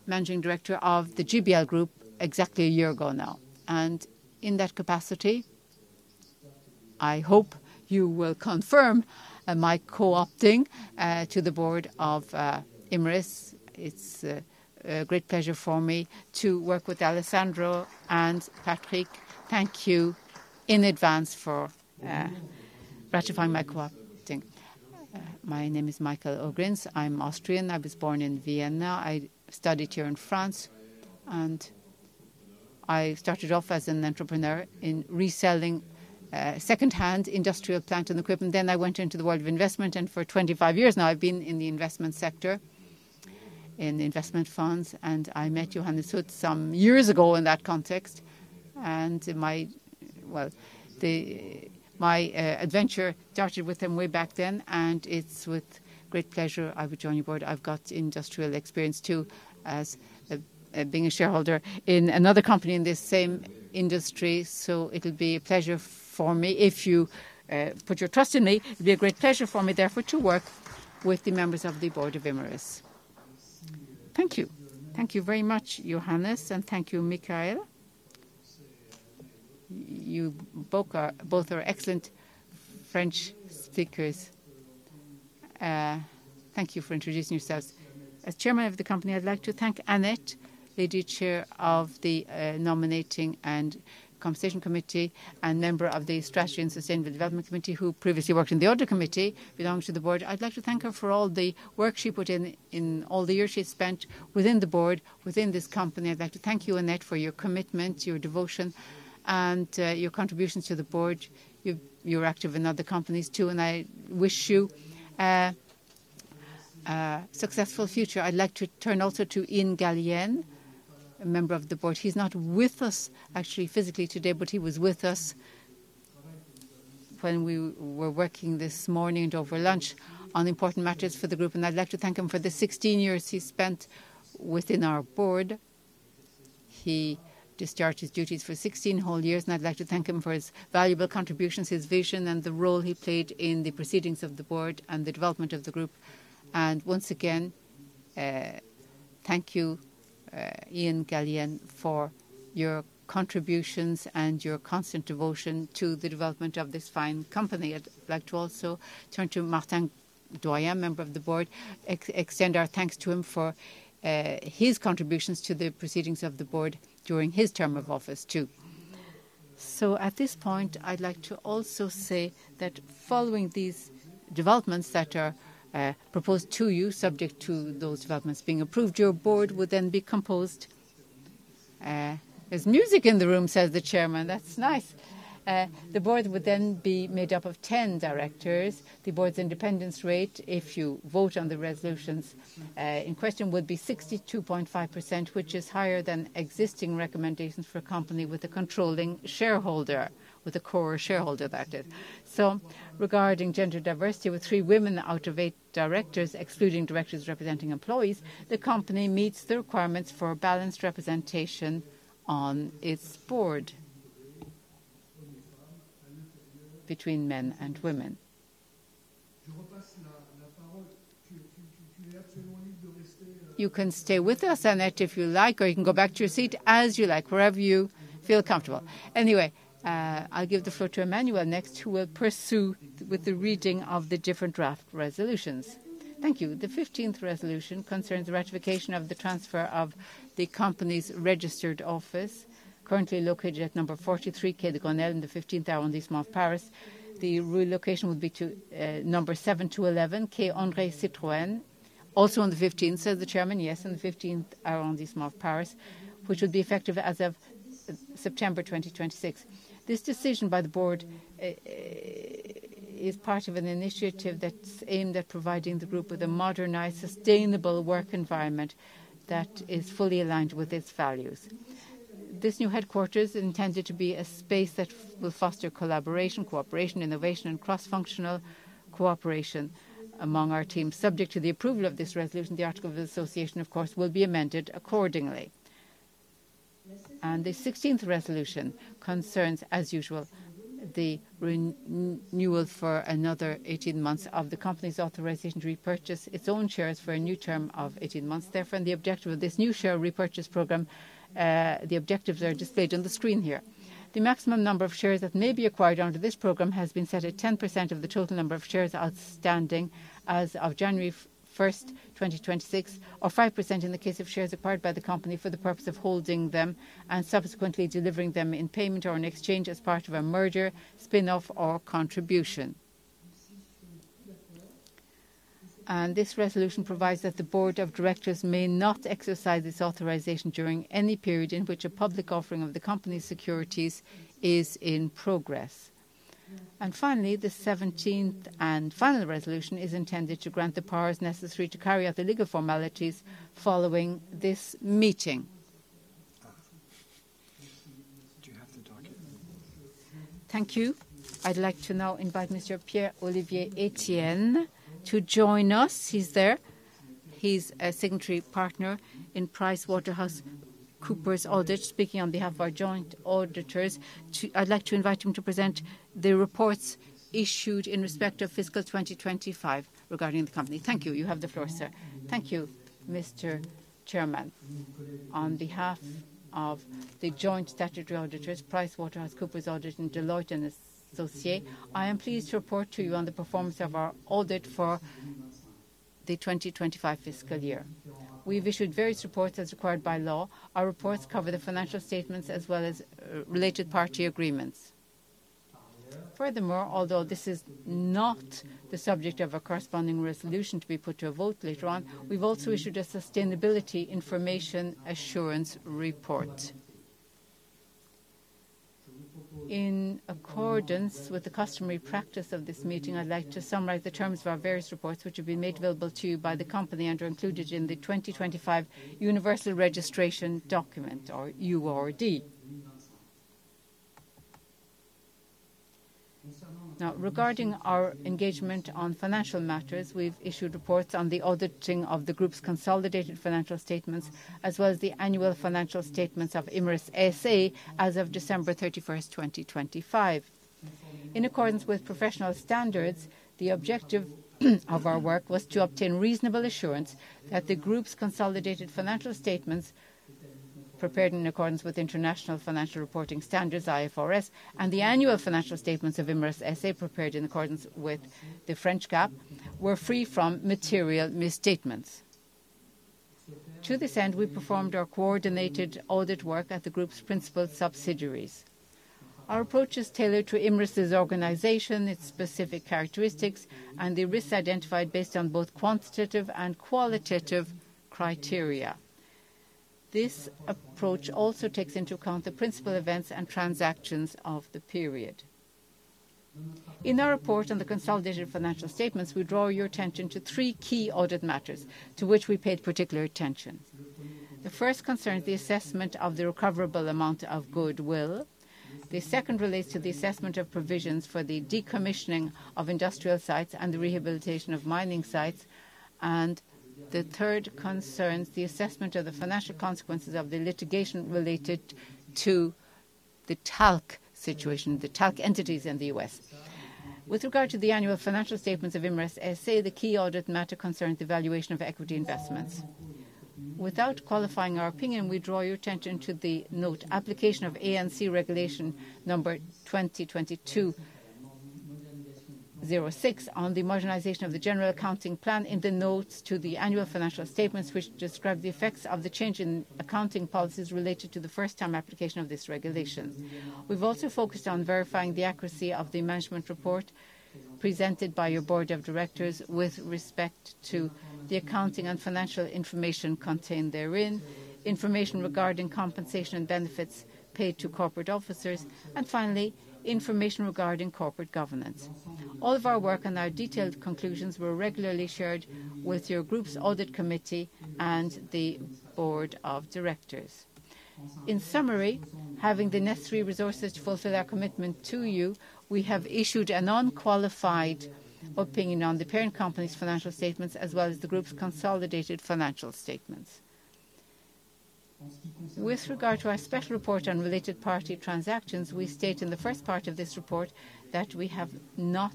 managing director of the GBL group exactly a year ago now. In that capacity, I hope you will confirm my co-opting to the board of Imerys. It's a great pleasure for me to work with Alessandro and Patrick. Thank you in advance for ratifying my co-opting. My name is Michael Ogrinz. I'm Austrian. I was born in Vienna. I studied here in France, and I started off as an entrepreneur in reselling second-hand industrial plant and equipment. I went into the world of investment, and for 25 years now, I've been in the investment sector, in investment funds. I met Johannes Huth some years ago in that context. My adventure started with him way back then, and it's with great pleasure I would join your board. I've got industrial experience too as being a shareholder in another company in this same industry. It would be a pleasure for me if you put your trust in me. It'd be a great pleasure for me therefore to work with the members of the board of Imerys. Thank you. Thank you very much, Johannes, and thank you, Michael. You both are excellent French speakers. Thank you for introducing yourselves. As Chairman of the company, I'd like to thank Annette, lady Chair of the Appointments and Compensation Committee and member of the strategy and sustainable development committee, who previously worked in the audit committee, belongs to the board. I'd like to thank her for all the work she put in all the years she spent within the board, within this company. I'd like to thank you, Annette, for your commitment, your devotion, and your contributions to the board. You're active in other companies too. I wish you a successful future. I'd like to turn also to Ian Gallienne, a member of the board. He's not with us actually physically today. He was with us when we were working this morning and over lunch on important matters for the group. I'd like to thank him for the 16 years he spent within our board. He discharged his duties for 16 whole years. I'd like to thank him for his valuable contributions, his vision, and the role he played in the proceedings of the board and the development of the group. Once again, thank you, Ian Gallienne, for your contributions and your constant devotion to the development of this fine company. I'd like to also turn to Martin Doyen, member of the board. Extend our thanks to him for his contributions to the proceedings of the board during his term of office too. At this point, I'd like to also say that following these developments that are proposed to you, subject to those developments being approved, your board would then be composed. There's music in the room, says the Chairman. That's nice. The board would then be made up of 10 directors. The board's independence rate, if you vote on the resolutions in question, would be 62.5%, which is higher than existing recommendations for a company with a controlling shareholder, with a core shareholder, that is. Regarding gender diversity, with three women out of eight directors, excluding directors representing employees, the company meets the requirements for balanced representation on its board between men and women. You can stay with us, Annette, if you like, or you can go back to your seat as you like, wherever you feel comfortable. Anyway, I'll give the floor to Emmanuelle next, who will pursue with the reading of the different draft resolutions. Thank you. The 15th resolution concerns the ratification of the transfer of the company's registered office currently located at number 43, Quai de Grenelle in the 15th arrondissement of Paris. The relocation would be to number seven to 11, Quai André Citroën. Also on the 15th, says the Chairman. Yes. In the 15th arrondissement of Paris, which would be effective as of September 2026. This decision by the board is part of an initiative that's aimed at providing the group with a modernized, sustainable work environment that is fully aligned with its values. This new headquarters is intended to be a space that will foster collaboration, cooperation, innovation, and cross-functional cooperation among our teams. Subject to the approval of this resolution, the article of association, of course, will be amended accordingly. The 16th resolution concerns, as usual, the re-renewal for another 18 months of the company's authorization to repurchase its own shares for a new term of 18 months. Therefore, the objective of this new share repurchase program, the objectives are displayed on the screen here. The maximum number of shares that may be acquired under this program has been set at 10% of the total number of shares outstanding as of January 1st, 2026 or 5% in the case of shares acquired by the company for the purpose of holding them and subsequently delivering them in payment or in exchange as part of a merger, spinoff, or contribution. This resolution provides that the Board of Directors may not exercise this authorization during any period in which a public offering of the company's securities is in progress. Finally, the 17th and final resolution is intended to grant the powers necessary to carry out the legal formalities following this meeting. Do you have the docket? Thank you. I'd like to now invite Monsieur Pierre-Olivier Etienne to join us. He's there. He's a signatory partner in PricewaterhouseCoopers Audit, speaking on behalf of our joint auditors. I'd like to invite him to present the reports issued in respect of fiscal 2025 regarding the company. Thank you. You have the floor, sir. Thank you, Mr. Chairman. On behalf of the joint statutory auditors, PricewaterhouseCoopers Audit and Deloitte & Associés, I am pleased to report to you on the performance of our audit for the 2025 fiscal year. We have issued various reports as required by law. Our reports cover the financial statements as well as related party agreements. Although this is not the subject of a corresponding resolution to be put to a vote later on, we've also issued a sustainability information assurance report. In accordance with the customary practice of this meeting, I'd like to summarize the terms of our various reports, which have been made available to you by the company and are included in the 2025 Universal Registration Document, or URD. Regarding our engagement on financial matters, we've issued reports on the auditing of the group's consolidated financial statements, as well as the annual financial statements of Imerys SA as of December 31st, 2025. In accordance with professional standards, the objective of our work was to obtain reasonable assurance that the group's consolidated financial statements prepared in accordance with International Financial Reporting Standards, IFRS, and the annual financial statements of Imerys SA prepared in accordance with the French GAAP, were free from material misstatements. To this end, we performed our coordinated audit work at the group's principal subsidiaries. Our approach is tailored to Imerys' organization, its specific characteristics, and the risks identified based on both quantitative and qualitative criteria. This approach also takes into account the principal events and transactions of the period. In our report on the consolidated financial statements, we draw your attention to three key audit matters to which we paid particular attention. The first concerns the assessment of the recoverable amount of goodwill. The second relates to the assessment of provisions for the decommissioning of industrial sites and the rehabilitation of mining sites. The third concerns the assessment of the financial consequences of the litigation related to the talc situation, the talc entities in the U.S. With regard to the annual financial statements of Imerys SA, the key audit matter concerns the valuation of equity investments. Without qualifying our opinion, we draw your attention to the note application of ANC Regulation number 2022-06 on the modernization of the General Accounting Plan in the notes to the annual financial statements which describe the effects of the change in accounting policies related to the first time application of this regulation. We've also focused on verifying the accuracy of the management report presented by your Board of Directors with respect to the accounting and financial information contained therein, information regarding compensation and benefits paid to corporate officers, and finally, information regarding corporate governance. All of our work and our detailed conclusions were regularly shared with your group's audit committee and the Board of Directors. In summary, having the necessary resources to fulfill our commitment to you, we have issued an unqualified opinion on the parent company's financial statements as well as the group's consolidated financial statements. With regard to our special report on related party transactions, we state in the first part of this report that we have not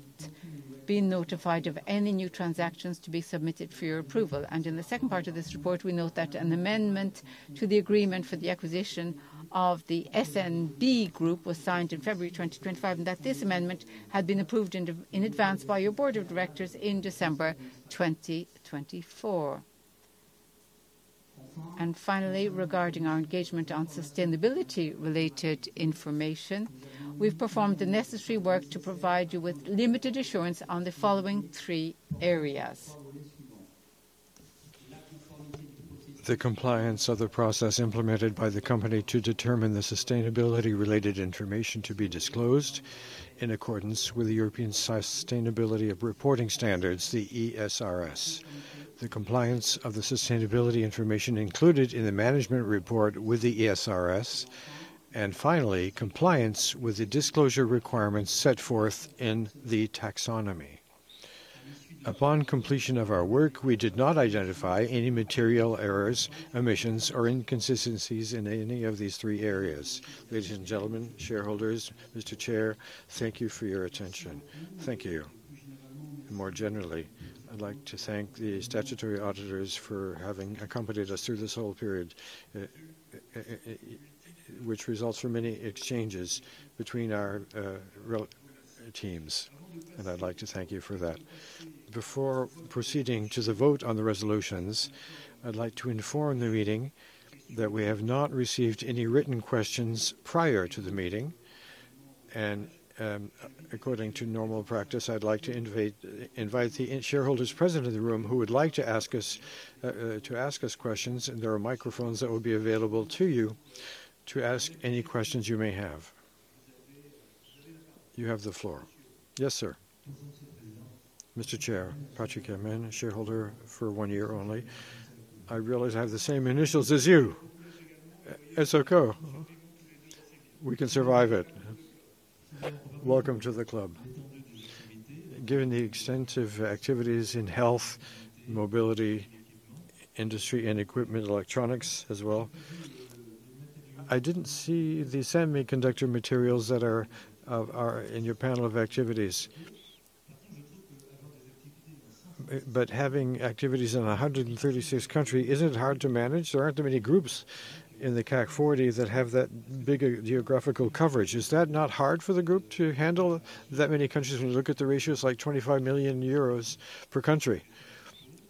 been notified of any new transactions to be submitted for your approval. In the second part of this report, we note that an amendment to the agreement for the acquisition of the S&B Group was signed in February 2025 and that this amendment had been approved in advance by your Board of Directors in December 2024. Finally, regarding our engagement on sustainability-related information, we've performed the necessary work to provide you with limited assurance on the following three areas. The compliance of the process implemented by the company to determine the sustainability-related information to be disclosed in accordance with the European Sustainability Reporting Standards, the ESRS. The compliance of the sustainability information included in the management report with the ESRS. Finally, compliance with the disclosure requirements set forth in the taxonomy. Upon completion of our work, we did not identify any material errors, omissions, or inconsistencies in any of these three areas. Ladies and gentlemen, shareholders, Mr. Chair, thank you for your attention. Thank you. More generally, I'd like to thank the statutory auditors for having accompanied us through this whole period, which results from many exchanges between our teams, and I'd like to thank you for that. Before proceeding to the vote on the resolutions, I'd like to inform the meeting that we have not received any written questions prior to the meeting. According to normal practice, I'd like to invite the shareholders present in the room who would like to ask us to ask us questions, and there are microphones that will be available to you to ask any questions you may have. You have the floor. Yes, sir. Mr. Chair, Patrick Herman, shareholder for 1 year only. I realize I have the same initials as you. It's okay. We can survive it. Welcome to the club. Given the extensive activities in health, mobility, industry, and equipment electronics as well, I didn't see the semiconductor materials that are in your panel of activities. Having activities in 136 country, isn't hard to manage? There aren't that many groups in the CAC 40 that have that big a geographical coverage. Is that not hard for the group to handle that many countries? When you look at the ratios, like 25 million euros per country.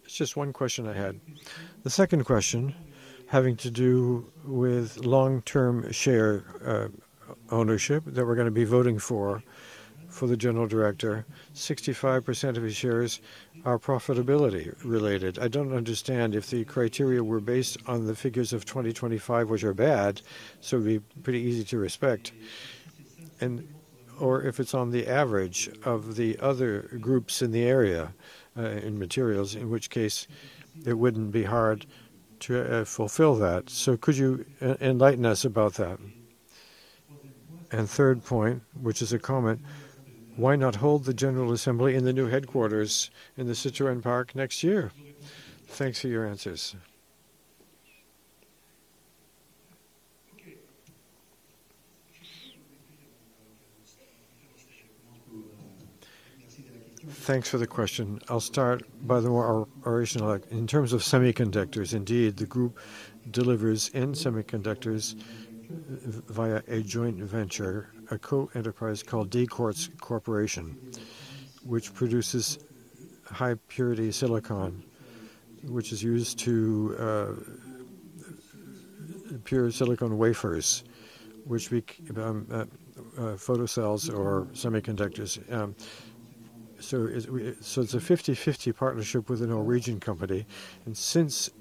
It's just one question I had. The second question, having to do with long-term share ownership that we're gonna be voting for the general director, 65% of his shares are profitability-related. I don't understand if the criteria were based on the figures of 2025, which are bad, so it'd be pretty easy to respect and or if it's on the average of the other groups in the area, in materials, in which case it wouldn't be hard to fulfill that. Could you enlighten us about that? Third point, which is a comment, why not hold the general assembly in the new headquarters in the Citroën Park next year? Thanks for your answers. Thanks for the question. I'll start by the more original. In terms of semiconductors, indeed, the group delivers in semiconductors via a joint venture, a co-enterprise called The Quartz Corporation, which produces high-purity silicon, which is used to pure silicon wafers, photocells or semiconductors. It's a 50/50 partnership with a Norwegian company. Since,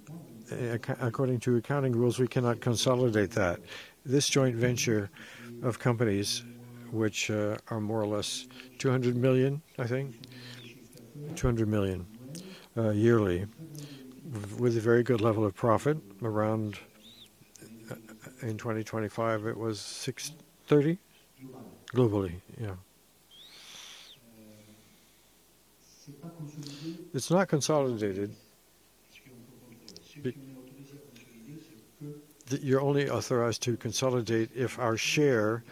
according to accounting rules, we cannot consolidate that. This joint venture of companies which are more or less 200 million, I think. 200 million yearly with a very good level of profit around in 2025, it was 630? Globally. Globally, yeah. It's not consolidated. That you're only authorized to consolidate if our share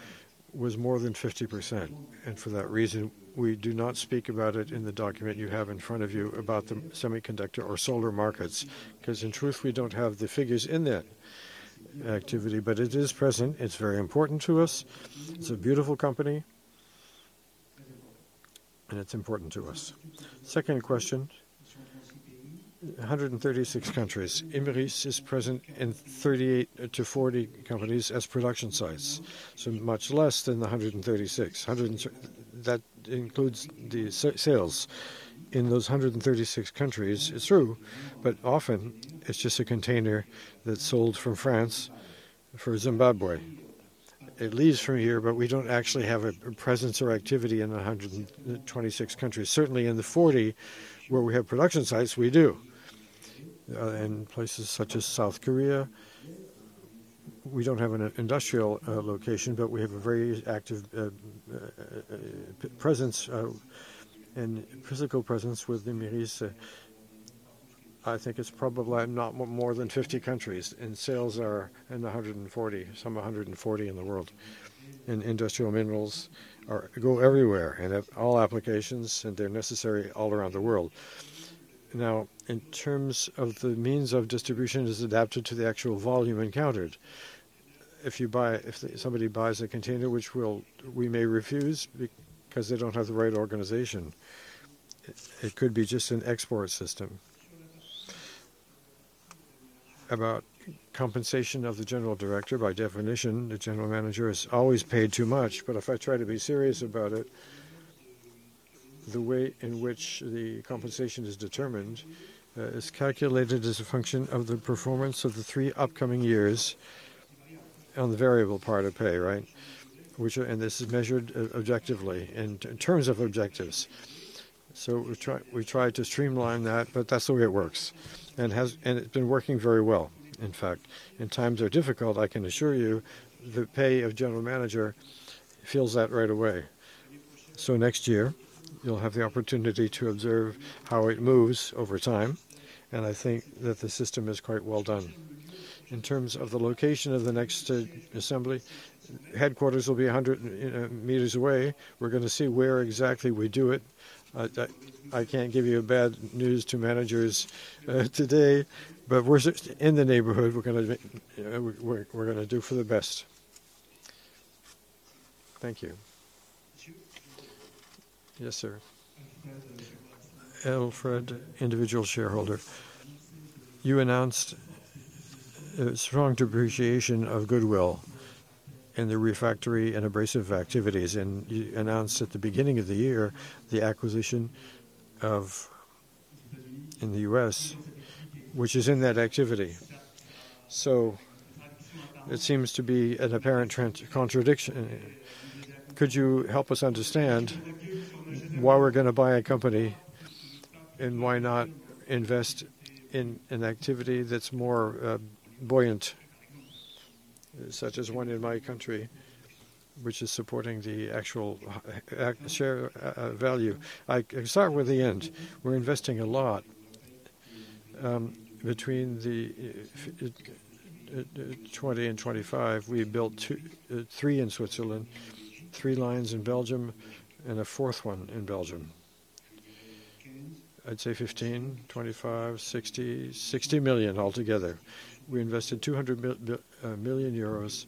was more than 50%. For that reason, we do not speak about it in the document you have in front of you about the semiconductor or solar markets, because in truth, we don't have the figures in that activity. It is present. It's very important to us. It's a beautiful company, and it's important to us. Second question, 136 countries. Imerys is present in 38 to 40 companies as production sites, so much less than the 136. That includes the sales. In those 136 countries, it's true, but often it's just a container that's sold from France for Zimbabwe. It leaves from here, but we don't actually have a presence or activity in 126 countries. Certainly, in the 40 where we have production sites, we do. In places such as South Korea, we don't have an industrial location, but we have a very active presence and physical presence with the Imerys. I think it's probably not more than 50 countries, and sales are in the 140, some 140 in the world. Industrial minerals go everywhere and have all applications, and they're necessary all around the world. In terms of the means of distribution is adapted to the actual volume encountered. If somebody buys a container, which we may refuse because they don't have the right organization. It could be just an export system. Compensation of the general director, by definition, the general manager is always paid too much. If I try to be serious about it, the way in which the compensation is determined, is calculated as a function of the performance of the three upcoming years on the variable part of pay, right? And this is measured objectively in terms of objectives. We try to streamline that, but that's the way it works, and it's been working very well, in fact. When times are difficult, I can assure you, the pay of general manager feels that right away. Next year, you'll have the opportunity to observe how it moves over time, and I think that the system is quite well done. In terms of the location of the next assembly, headquarters will be 100 meters away. We're gonna see where exactly we do it. That I can't give you bad news to managers today, but we're in the neighborhood. We're gonna do for the best. Thank you. Yes, sir. Alfred, individual shareholder. You announced a strong depreciation of goodwill in the refractory and abrasive activities, and you announced at the beginning of the year the acquisition of in the U.S., which is in that activity. It seems to be an apparent contradiction. Could you help us understand why we're gonna buy a company and why not invest in an activity that's more buoyant, such as one in my country, which is supporting the actual share value? I start with the end. We're investing a lot. Between the 20 and 25, we built two, three in Switzerland, three lines in Belgium, and a fourth one in Belgium. I'd say 15 million, 25 million, 60 million, 60 million altogether. We invested 200 million euros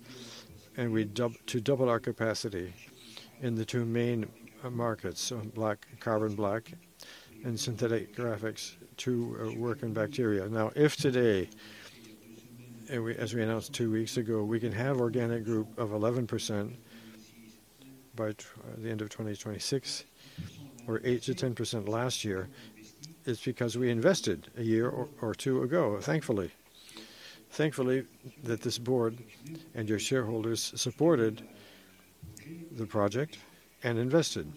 to double our capacity in the two main markets, so black, carbon black and synthetic graphite to work in batteries. If today, and we, as we announced two weeks ago, we can have organic group of 11% by the end of 2026 or 8%-10% last year, it's because we invested a year or two ago, thankfully. Thankfully that this board and your shareholders supported the project and invested.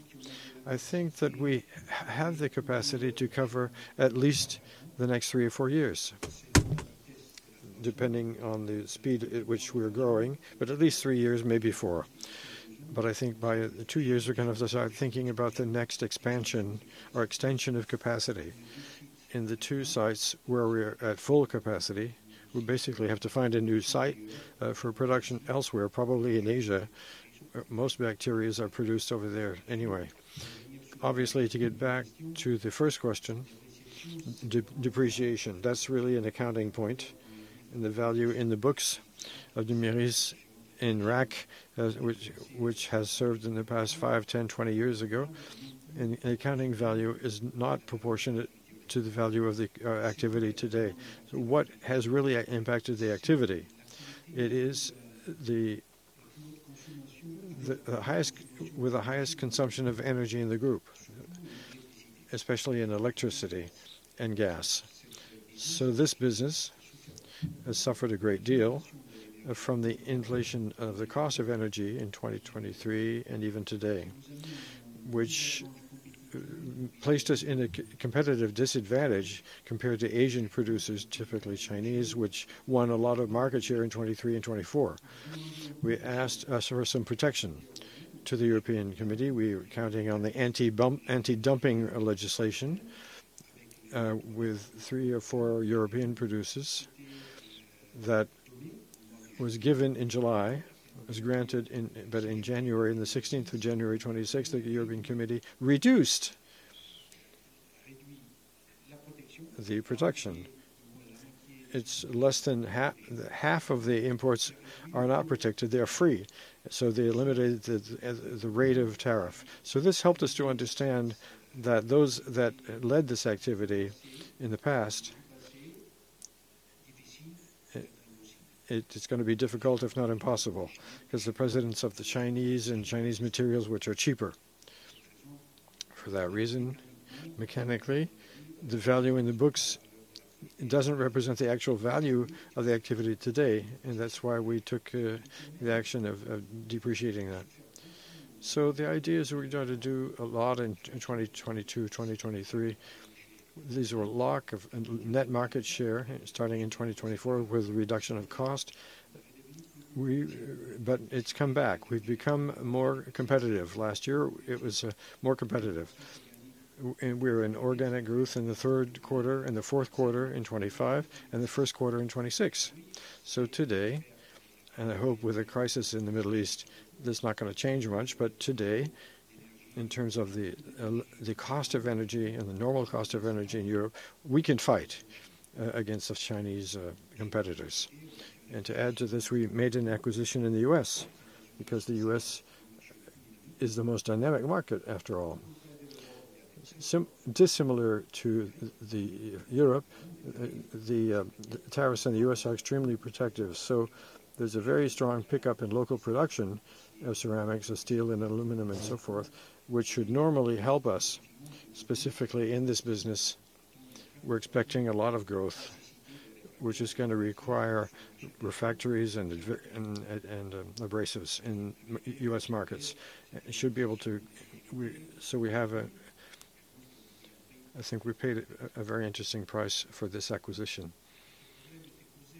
I think that we have the capacity to cover at least the next three or four years, depending on the speed at which we are growing, but at least three years, maybe four. I think by two years, we're gonna start thinking about the next expansion or extension of capacity. In the two sites where we're at full capacity, we basically have to find a new site for production elsewhere, probably in Asia. Most batteries are produced over there anyway. Obviously, to get back to the first question, depreciation, that's really an accounting point, and the value in the books of the Imerys in RAC, which has served in the past five, 10, 20 years ago, and accounting value is not proportionate to the value of the activity today. What has really impacted the activity? We're the highest consumption of energy in the group, especially in electricity and gas. This business has suffered a great deal from the inflation of the cost of energy in 2023 and even today, which placed us in a competitive disadvantage compared to Asian producers, typically Chinese, which won a lot of market share in 2023 and 2024. We asked for some protection to the European Commission. We are counting on the anti-dumping legislation with three or four European producers that was given in July. It was granted in January, on the 16th of January 2026, the European Commission reduced the protection. It's less than half of the imports are not protected, they are free. They limited the rate of tariff. This helped us to understand that those that led this activity in the past, it's gonna be difficult if not impossible 'cause the precedence of the Chinese and Chinese materials which are cheaper. For that reason, mechanically, the value in the books doesn't represent the actual value of the activity today, and that's why we took the action of depreciating that. The idea is we're going to do a lot in 2022, 2023. These were lock of net market share starting in 2024 with the reduction of cost. It's come back. We've become more competitive. Last year, it was more competitive. We're in organic growth in the third quarter and the fourth quarter in 2025, and the first quarter in 2026. Today, and I hope with the crisis in the Middle East, that's not going to change much. Today, in terms of the cost of energy and the normal cost of energy in Europe, we can fight against the Chinese competitors. To add to this, we made an acquisition in the U.S. because the U.S. is the most dynamic market, after all. Dissimilar to the Europe, the tariffs in the U.S. are extremely protective. There's a very strong pickup in local production of ceramics, of steel, and aluminum, and so forth, which should normally help us. Specifically in this business, we're expecting a lot of growth, which is going to require refractories and abrasives in U.S. markets. Should be able to. We have a I think we paid a very interesting price for this acquisition.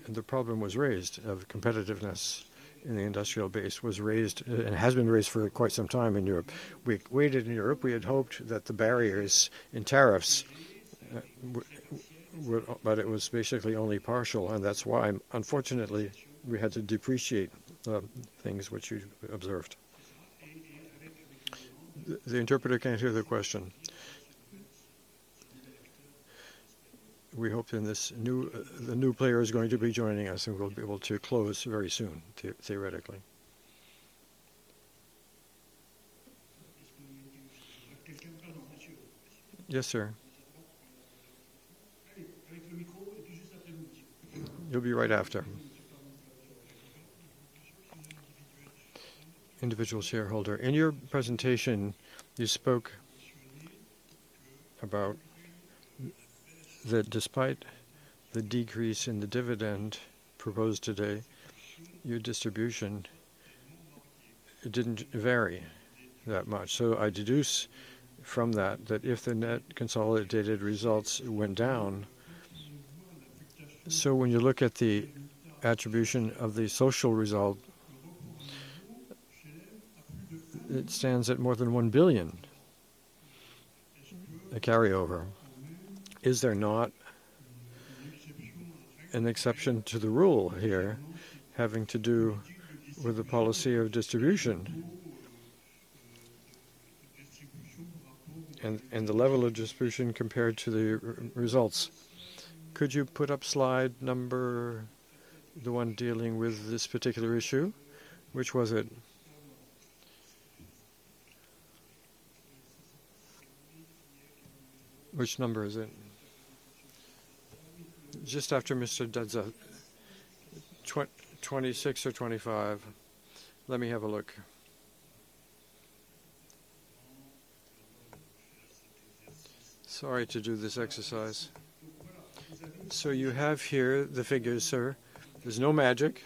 The problem was raised of competitiveness in the industrial base and has been raised for quite some time in Europe. We waited in Europe. We had hoped that the barriers and tariffs. It was basically only partial, and that's why, unfortunately, we had to depreciate things which you observed. The interpreter can't hear the question. We hope in this new, the new player is going to be joining us, and we'll be able to close very soon theoretically. Yes, sir. You'll be right after. Individual shareholder. In your presentation, you spoke about that despite the decrease in the dividend proposed today, your distribution didn't vary that much. I deduce from that if the net consolidated results went down, when you look at the attribution of the social result, it stands at more than 1 billion, the carryover. Is there not an exception to the rule here having to do with the policy of distribution? the level of distribution compared to the results. Could you put up slide number The one dealing with this particular issue? Which was it? Which number is it? Just after Mr. Dazza. 26 or 25. Let me have a look. Sorry to do this exercise. You have here the figures, sir. There's no magic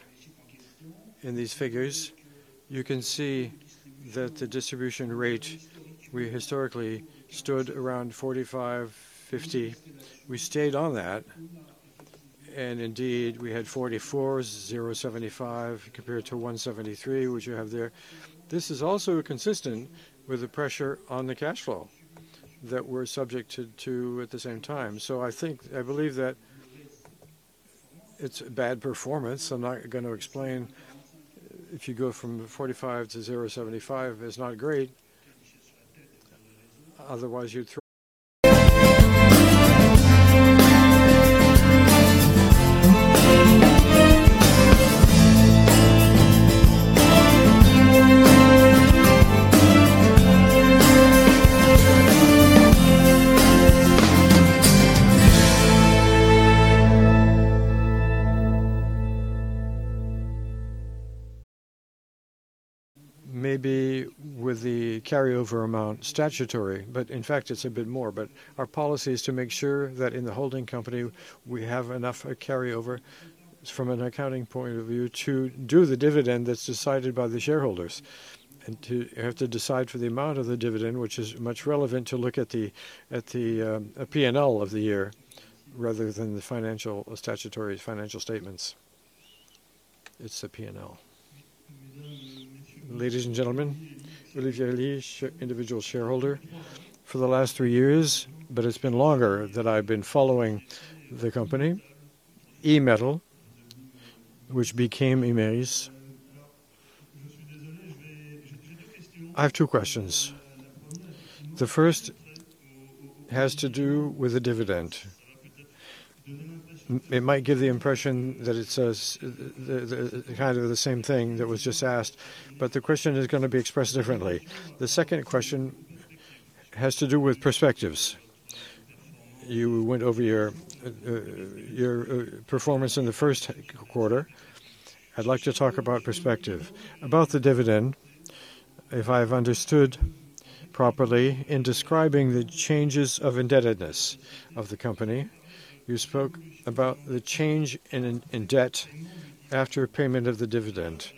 in these figures. You can see that the distribution rate, we historically stood around 45, 50. We stayed on that, and indeed, we had 44.075 compared to 173, which you have there. This is also consistent with the pressure on the cash flow that we're subjected to at the same time. I believe that it's bad performance. I'm not gonna explain if you go from 45 to 0.75 is not great. Otherwise, you'd Maybe with the carryover amount statutory, but in fact, it's a bit more. Our policy is to make sure that in the holding company we have enough carryover from an accounting point of view to do the dividend that's decided by the shareholders. To have to decide for the amount of the dividend, which is much relevant to look at the, at the P&L of the year rather than the financial statutory financial statements. It's the P&L. Ladies and gentlemen, Oliver Elise, individual shareholder for the last three years, but it's been longer that I've been following the company, Imetal, which became Imerys. I have two questions. The first has to do with the dividend. It might give the impression that it's kind of the same thing that was just asked, but the question is going to be expressed differently. The second question has to do with perspectives. You went over your performance in the first quarter. I'd like to talk about perspective. About the dividend, if I've understood properly, in describing the changes of indebtedness of the company, you spoke about the change in debt after payment of the dividend.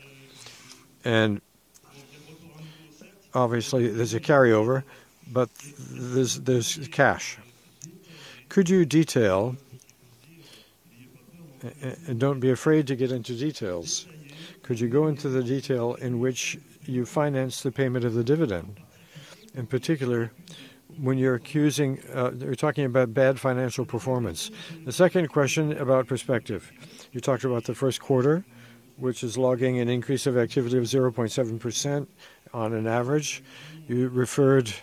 Obviously, there's a carryover, but there's cash. Could you detail, and don't be afraid to get into details. Could you go into the detail in which you finance the payment of the dividend? In particular, when you're accusing, you're talking about bad financial performance. The second question about perspective. You talked about the first quarter, which is logging an increase of activity of 0.7% on average. You referred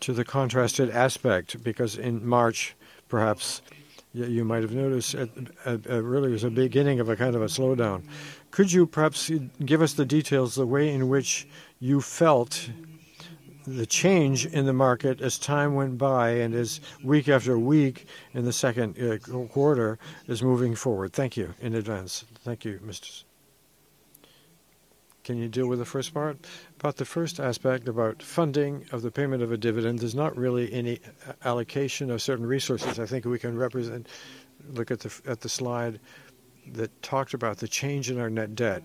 to the contrasted aspect because in March, perhaps, you might have noticed it, really was a beginning of a kind of a slowdown. Could you perhaps give us the details, the way in which you felt the change in the market as time went by and as week after week in the second quarter is moving forward? Thank you in advance. Thank you, Mister. Can you deal with the first part? About the first aspect about funding of the payment of a dividend, there's not really any allocation of certain resources. I think we can look at the slide that talked about the change in our net debt.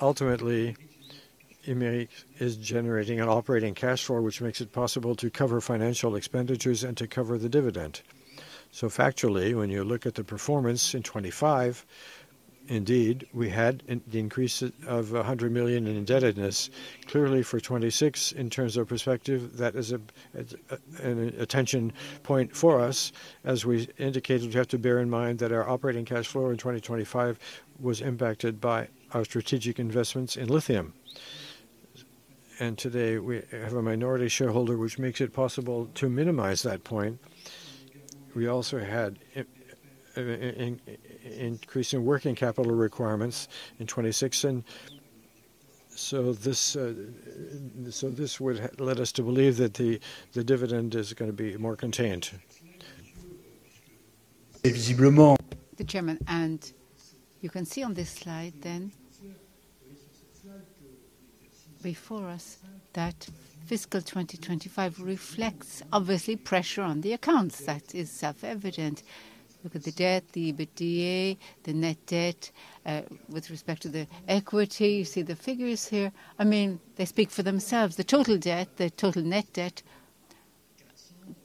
Ultimately, Imerys is generating an operating cash flow, which makes it possible to cover financial expenditures and to cover the dividend. Factually, when you look at the performance in 2025, indeed, we had the increase of 100 million in indebtedness. Clearly for 2026, in terms of perspective, that is a, it's an attention point for us. As we indicated, you have to bear in mind that our operating cash flow in 2025 was impacted by our strategic investments in lithium. Today we have a minority shareholder, which makes it possible to minimize that point. We also had increasing working capital requirements in 2026. This, so this would lead us to believe that the dividend is gonna be more contained. The Chairman. You can see on this slide before us that fiscal 2025 reflects obviously pressure on the accounts. That is self-evident. Look at the debt, the EBITDA, the net debt, with respect to the equity. You see the figures here. I mean, they speak for themselves. The total debt, the total net debt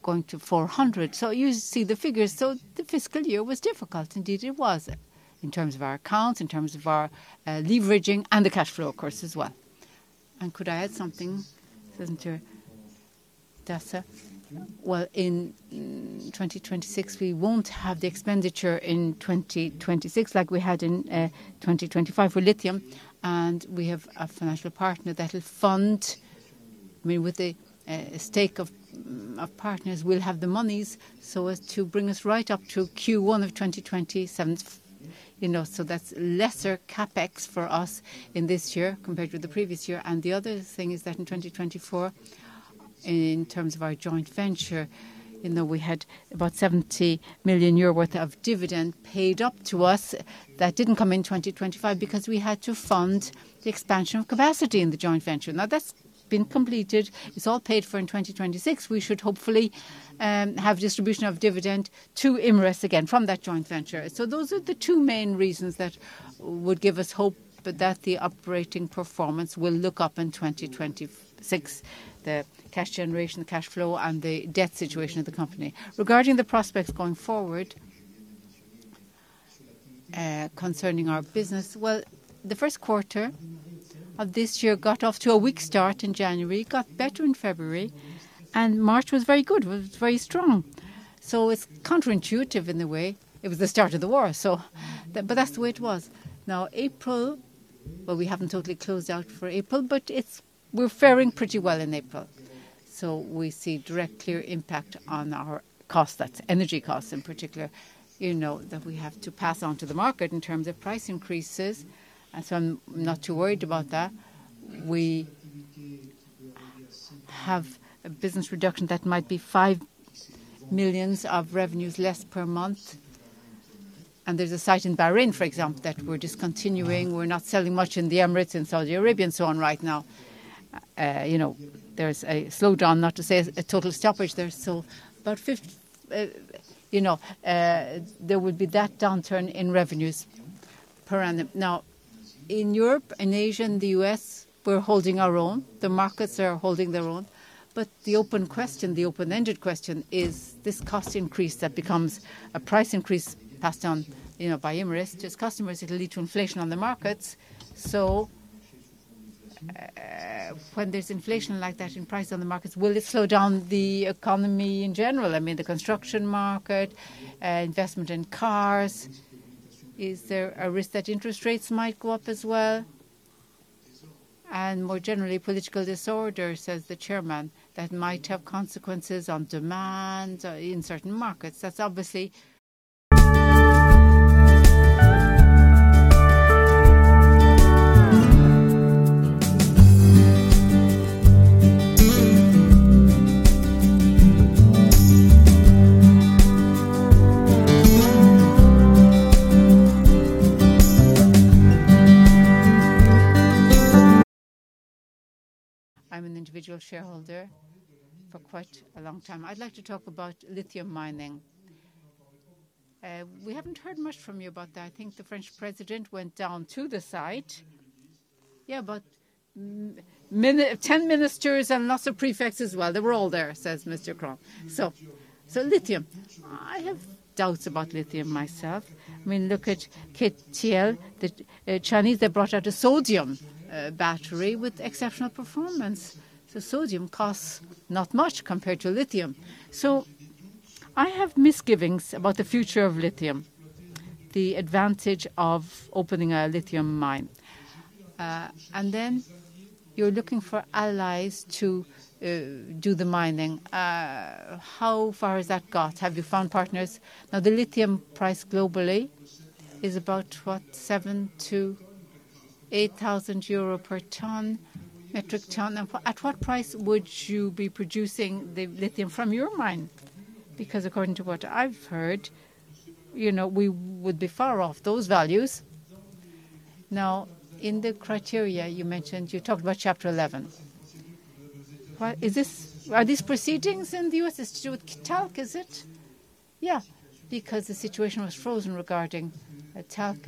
going to 400. You see the figures. The fiscal year was difficult. Indeed, it was in terms of our accounts, in terms of our leveraging and the cash flow, of course, as well. Could I add something, Alessandro Dazza? Well, in 2026, we won't have the expenditure in 2026 like we had in 2025 with lithium. We have a financial partner that will fund I mean, with the stake of partners, we'll have the monies so as to bring us right up to Q1 of 2027. You know, that's lesser CapEx for us in this year compared with the previous year. The other thing is that in 2024, in terms of our joint venture, you know, we had about 70 million euro worth of dividend paid up to us that didn't come in 2025 because we had to fund the expansion of capacity in the joint venture. Now, that's been completed. It's all paid for in 2026. We should hopefully have distribution of dividend to Imerys again from that joint venture. Those are the two main reasons that would give us hope that the operating performance will look up in 2026. The cash generation, the cash flow, and the debt situation of the company. Regarding the prospects going forward, concerning our business, well, the first quarter of this year got off to a weak start in January, got better in February. March was very good. It was very strong. It's counterintuitive in a way. It was the start of the war, that's the way it was. April, well, we haven't totally closed out for April. We're faring pretty well in April. We see direct clear impact on our cost. That's energy costs in particular, you know, that we have to pass on to the market in terms of price increases. I'm not too worried about that. We have a business reduction that might be 5 million of revenues less per month. There's a site in Bahrain, for example, that we're discontinuing. We're not selling much in the Emirates and Saudi Arabia and so on right now. You know, there's a slowdown, not to say a total stoppage. There's still about fif- you know, there would be that downturn in revenues per annum. In Europe and Asia and the U.S., we're holding our own. The markets are holding their own. The open question, the open-ended question is this cost increase that becomes a price increase passed down, you know, by Imerys to its customers, it'll lead to inflation on the markets. When there's inflation like that in price on the markets, will it slow down the economy in general? I mean, the construction market, investment in cars. Is there a risk that interest rates might go up as well? More generally, political disorder, says the Chairman, that might have consequences on demand in certain markets. I'm an individual shareholder for quite a long time. I'd like to talk about lithium mining. We haven't heard much from you about that. I think the French president went down to the site. Yeah, about 10 ministers and lots of prefects as well. "They were all there," says Mr. Kron. Lithium. I have doubts about lithium myself. I mean, look at CATL, the Chinese, they brought out a sodium battery with exceptional performance. Sodium costs not much compared to lithium. I have misgivings about the future of lithium, the advantage of opening a lithium mine. You're looking for allies to do the mining. How far has that got? Have you found partners? The lithium price globally is about, what, 7,000-8,000 euro per metric ton. At what price would you be producing the lithium from your mine? According to what I've heard, you know, we would be far off those values. In the criteria you mentioned, you talked about Chapter 11. Are these proceedings in the U.S.? Is to do with Talc, is it? The situation was frozen regarding Talc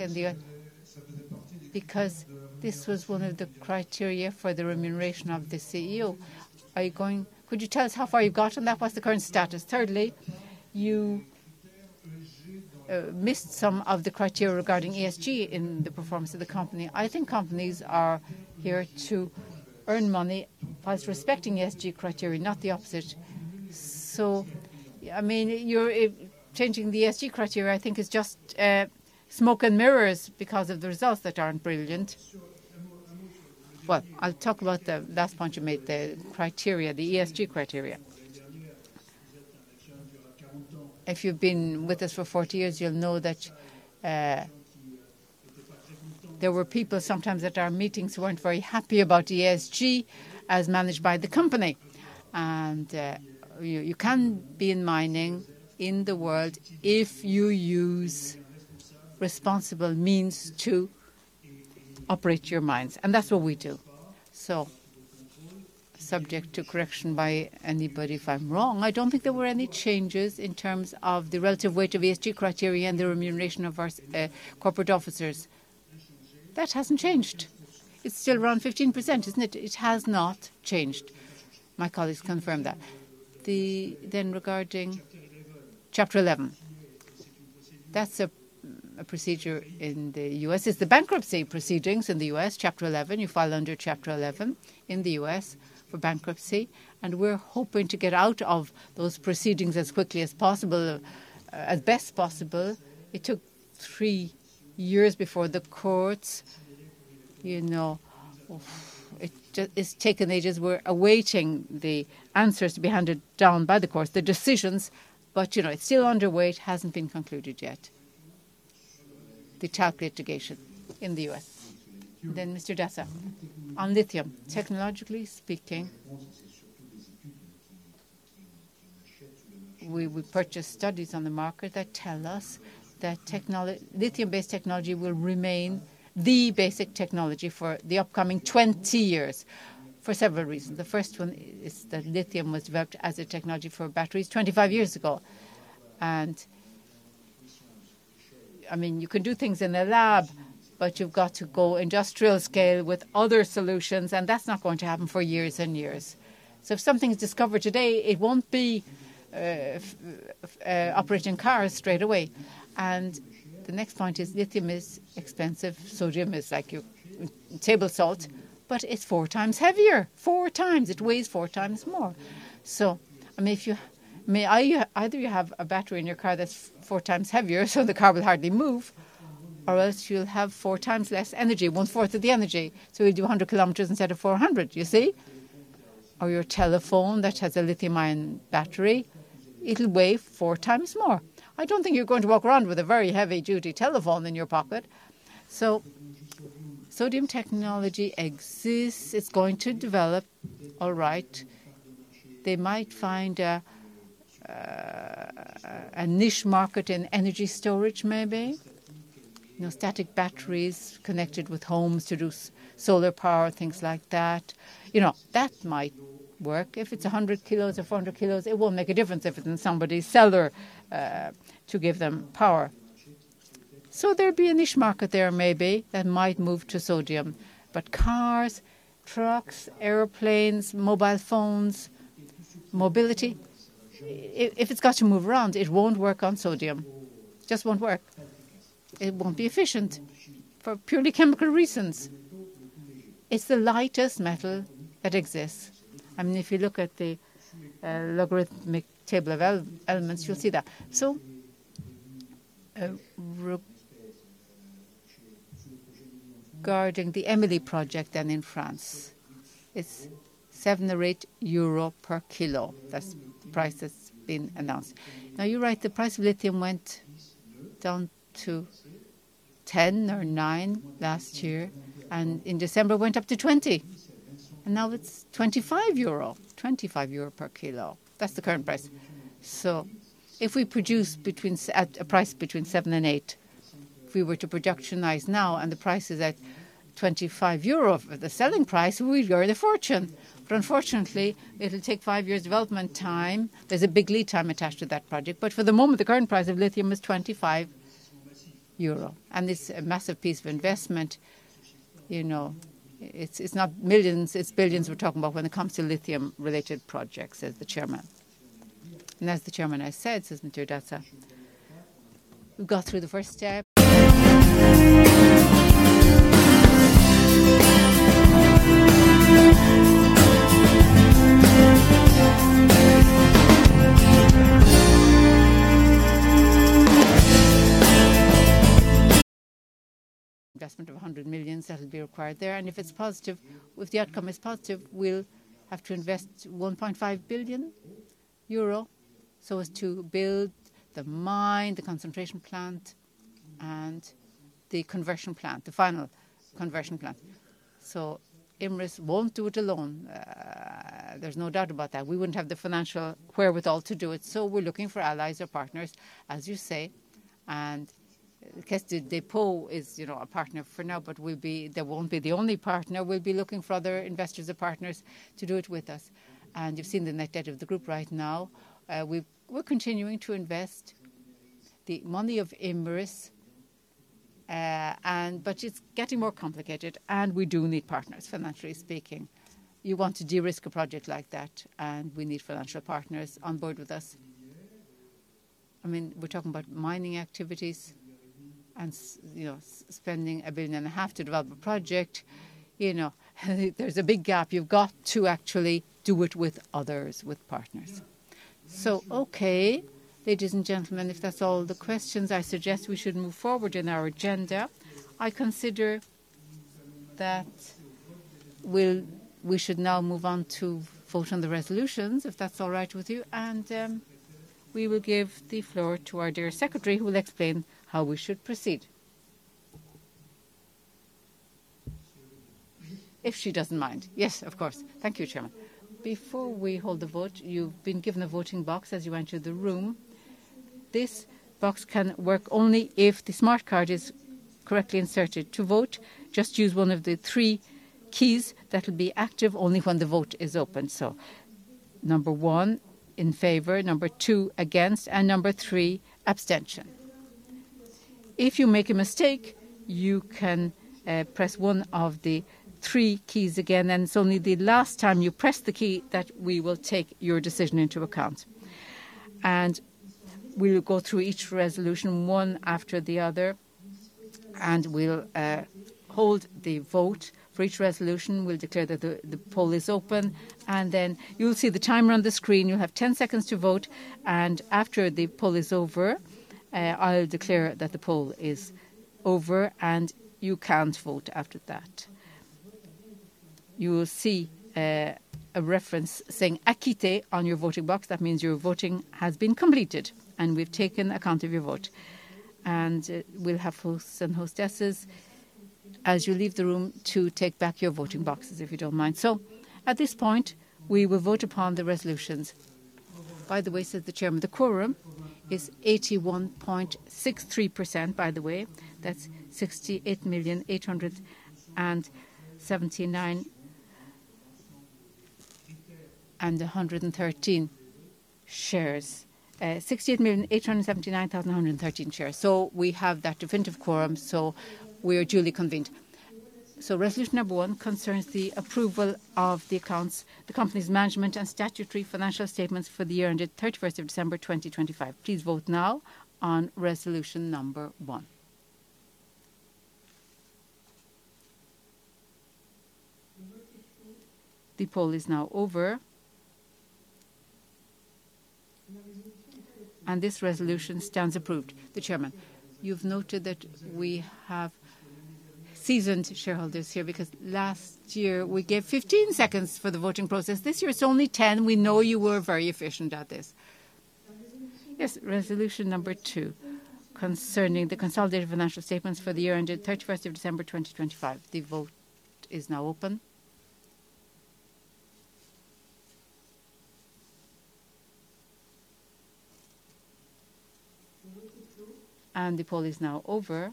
because this was one of the criteria for the remuneration of the CEO. Could you tell us how far you've got on that? What's the current status? Thirdly, you missed some of the criteria regarding ESG in the performance of the company. I think companies are here to earn money whilst respecting ESG criteria, not the opposite. I mean, you're changing the ESG criteria, I think is just smoke and mirrors because of the results that aren't brilliant. Well, I'll talk about the last point you made, the criteria, the ESG criteria. If you've been with us for 40 years, you'll know that there were people sometimes at our meetings who weren't very happy about ESG as managed by the company. You can be in mining in the world if you use responsible means to operate your mines, and that's what we do. Subject to correction by anybody if I'm wrong, I don't think there were any changes in terms of the relative weight of ESG criteria and the remuneration of our corporate officers. That hasn't changed. It's still around 15%, isn't it? It has not changed. My colleagues confirm that. Chapter 11. That's a procedure in the U.S. It's the bankruptcy proceedings in the U.S., Chapter 11. You file under Chapter 11 in the U.S. for bankruptcy, and we're hoping to get out of those proceedings as quickly as possible, as best possible. It took three years before the courts, you know? It's taken ages. We're awaiting the answers to be handed down by the courts, the decisions. You know, it's still underway. It hasn't been concluded yet, the talc litigation in the U.S. Mr. Dazza, on lithium, technologically speaking, we would purchase studies on the market that tell us that lithium-based technology will remain the basic technology for the upcoming 20 years for several reasons. The first one is that lithium was developed as a technology for batteries 25 years ago. I mean, you can do things in a lab, but you've got to go industrial scale with other solutions, and that's not going to happen for years and years. If something's discovered today, it won't be operating cars straight away. The next point is lithium is expensive. Sodium is like your table salt, but it's 4x heavier. 4x. It weighs 4x more. I mean, if you, either you have a battery in your car that's 4x heavier, so the car will hardly move, or else you'll have 4x less energy, one-fourth of the energy. You'll do 100 Km instead of 400, you see? Or your telephone that has a lithium-ion battery, it'll weight 4x more. I don't think you're going to walk around with a very heavy-duty telephone in your pocket. Sodium technology exists. It's going to develop all right. They might find a niche market in energy storage maybe. You know, static batteries connected with homes to do solar power, things like that. You know, that might work. If it's 100 kilos or 400 kilos, it won't make a difference if it's in somebody's cellar to give them power. There'd be a niche market there maybe that might move to sodium. Cars, trucks, airplanes, mobile phones, mobility, if it's got to move around, it won't work on sodium. Just won't work. It won't be efficient for purely chemical reasons. It's the lightest metal that exists. I mean, if you look at the logarithmic table of elements, you'll see that. Regarding the EMILI Project then in France, it's 7 or 8 euro per kilo. That's the price that's been announced. You're right, the price of lithium went down to 10 or nine last year. In December it went up to 20. Now it's 25 euro. 25 euro per kilo. That's the current price. If we produce at a price between 7 and 8, if we were to productionize now and the price is at 25 euro for the selling price, we would earn a fortune. Unfortunately, it'll take five years development time. There's a big lead time attached to that project. For the moment, the current price of lithium is 25 euro. It's a massive piece of investment. You know, it's not millions, it's billions we're talking about when it comes to lithium-related projects, says the Chairman. As the Chairman has said, says Monsieur Dazza, we've got through the first step. Investment of 100 million that'll be required there. If it's positive, if the outcome is positive, we'll have to invest 1.5 billion euro so as to build the mine, the concentration plant, and the conversion plant, the final conversion plant. Imerys won't do it alone. There's no doubt about that. We wouldn't have the financial wherewithal to do it. We're looking for allies or partners, as you say. Caisse des Dépôts is, you know, a partner for now, but we'll be they won't be the only partner. We'll be looking for other investors or partners to do it with us. You've seen the net debt of the group right now. We're continuing to invest the money of Imerys. It's getting more complicated, and we do need partners, financially speaking. You want to de-risk a project like that, we need financial partners on board with us. I mean, we're talking about mining activities and you know, spending a billion and a half to develop a project. You know, there's a big gap. You've got to actually do it with others, with partners. Okay, ladies and gentlemen, if that's all the questions, I suggest we should move forward in our agenda. I consider that we should now move on to vote on the resolutions, if that's all right with you. We will give the floor to our dear secretary, who will explain how we should proceed. If she doesn't mind. Yes, of course. Thank you, Chairman. Before we hold the vote, you've been given a voting box as you entered the room. This box can work only if the smart card is correctly inserted. To vote, just use one of the three keys that will be active only when the vote is open. Number one in favor, number two against, and number three, abstention. If you make a mistake, you can press one of the three keys again. It's only the last time you press the key that we will take your decision into account. We will go through each resolution one after the other, and we'll hold the vote. For each resolution, we'll declare that the poll is open, you'll see the timer on the screen. You'll have 10 seconds to vote. After the poll is over, I'll declare that the poll is over, and you can't vote after that. You will see a reference saying "quitus" on your voting box. That means your voting has been completed, and we've taken account of your vote. We'll have hosts and hostesses, as you leave the room, to take back your voting boxes, if you don't mind. At this point, we will vote upon the resolutions. By the way, says the Chairman, the quorum is 81.63%. That's 68,879,113 shares. We have that definitive quorum, so we are duly convened. Resolution number one concerns the approval of the accounts, the company's management and statutory financial statements for the year ended 31st of December 2025. Please vote now on resolution number one. The poll is now over. This resolution stands approved. The Chairman. You've noted that we have seasoned shareholders here because last year we gave 15 seconds for the voting process. This year it's only 10. We know you were very efficient at this. Resolution number two, concerning the consolidated financial statements for the year ended 31st of December, 2025. The vote is now open. The poll is now over.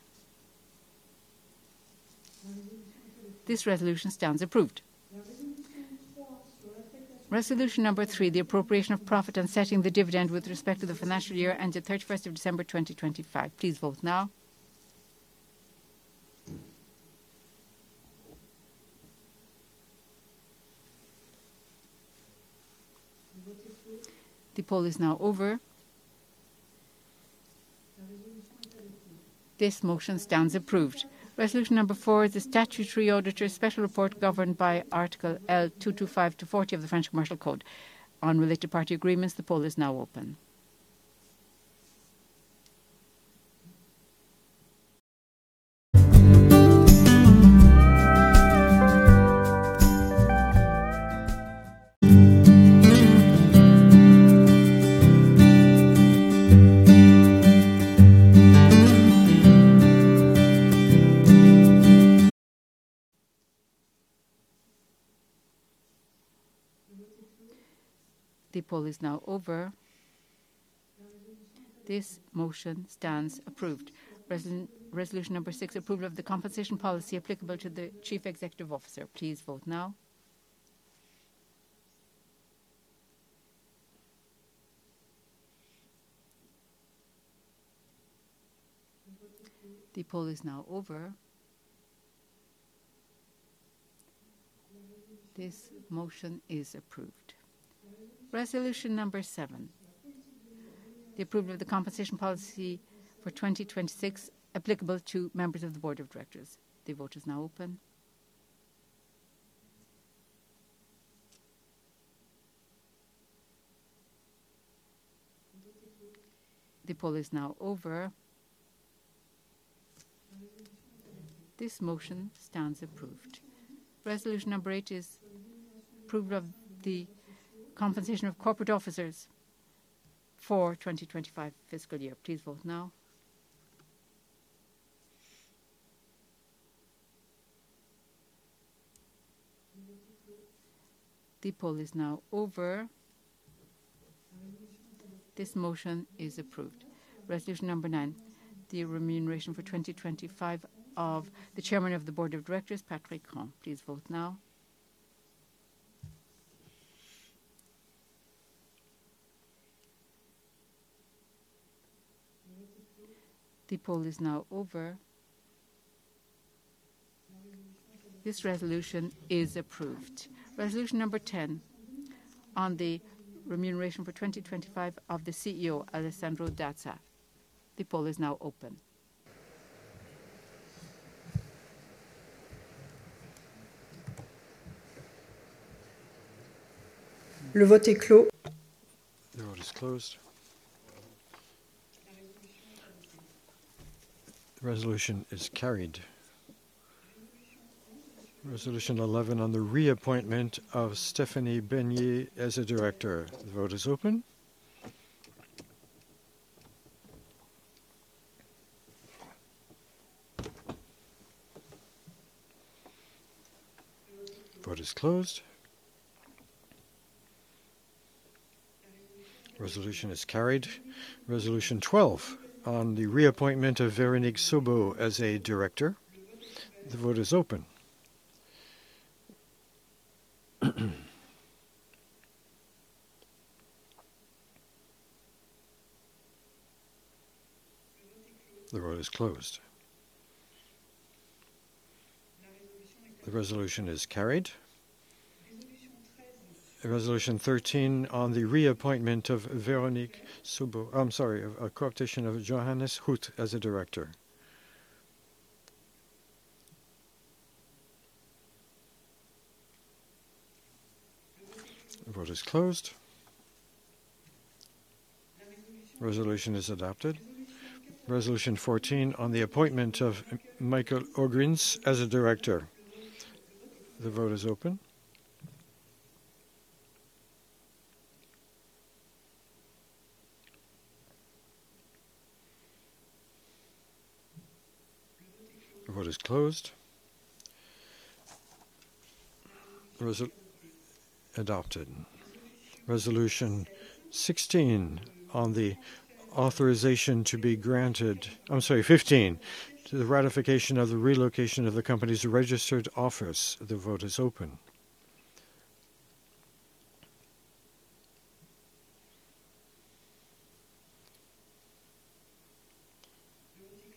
This resolution stands approved. Resolution number three, the appropriation of profit and setting the dividend with respect to the financial year ended 31st of December, 2025. Please vote now. The poll is now over. This motion stands approved. Resolution number four, the statutory auditor's special report governed by Article L225-40 of the French Commercial Code on related party agreements. The poll is now open. The poll is now over. This motion stands approved. Resolution number six, approval of the compensation policy applicable to the chief executive officer. Please vote now. The poll is now over. This motion is approved. Resolution number seven, the approval of the compensation policy for 2026 applicable to members of the Board of Directors. The vote is now open. The poll is now over. This motion stands approved. Resolution number eight is approval of the compensation of corporate officers for 2025 fiscal year. Please vote now. The poll is now over. This motion is approved. Resolution number nine, the remuneration for 2025 of the Chairman of the Board of Directors, Patrick Kron. Please vote now. The poll is now over. This resolution is approved. Resolution number 10 on the remuneration for 2025 of the CEO, Alessandro Dazza. The poll is now open. The vote is closed. The vote is closed. The resolution is carried. Resolution 11 on the reappointment of Stéphanie Besnier as a director. The vote is open. The vote is closed. Resolution is carried. Resolution 12 on the reappointment of Véronique Saubot as a director. The vote is open. The vote is closed. The resolution is carried. Resolution 13 on the reappointment of Véronique Saubot I'm sorry, a co-optation of Johannes Huth as a director. The vote is closed. Resolution is adopted. Resolution 14 on the appointment of Michael Ogrinz as a director. The vote is open. The vote is closed. Adopted. Resolution 16 on the authorization to be granted I'm sorry, 15, to the ratification of the relocation of the company's registered office. The vote is open.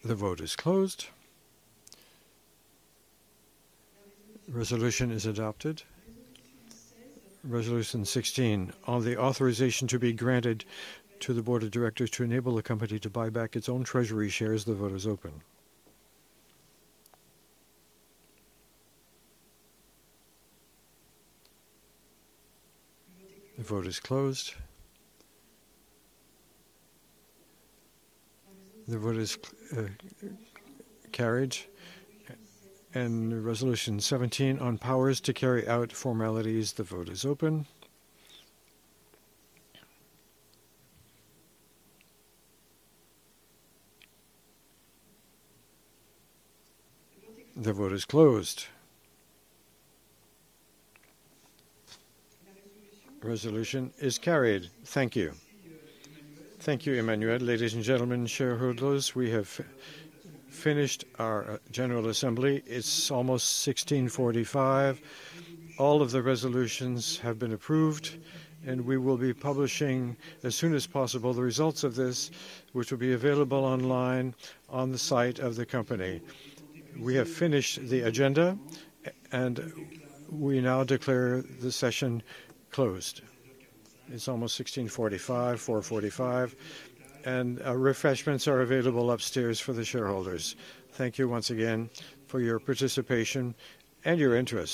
The vote is closed. Resolution is adopted. Resolution 16 on the authorization to be granted to the Board of Directors to enable the company to buy back its own treasury shares. The vote is open. The vote is closed. The vote is carried. Resolution 17 on powers to carry out formalities. The vote is open. The vote is closed. Resolution is carried. Thank you. Thank you, Emmanuelle. Ladies and gentlemen, shareholders, we have finished our general assembly. It's almost 4:45 p.m All of the resolutions have been approved. We will be publishing as soon as possible the results of this, which will be available online on the site of the company. We have finished the agenda. We now declare the session closed. It's almost 4:45 P.M., 4:45 p.m Refreshments are available upstairs for the shareholders. Thank you once again for your participation and your interest.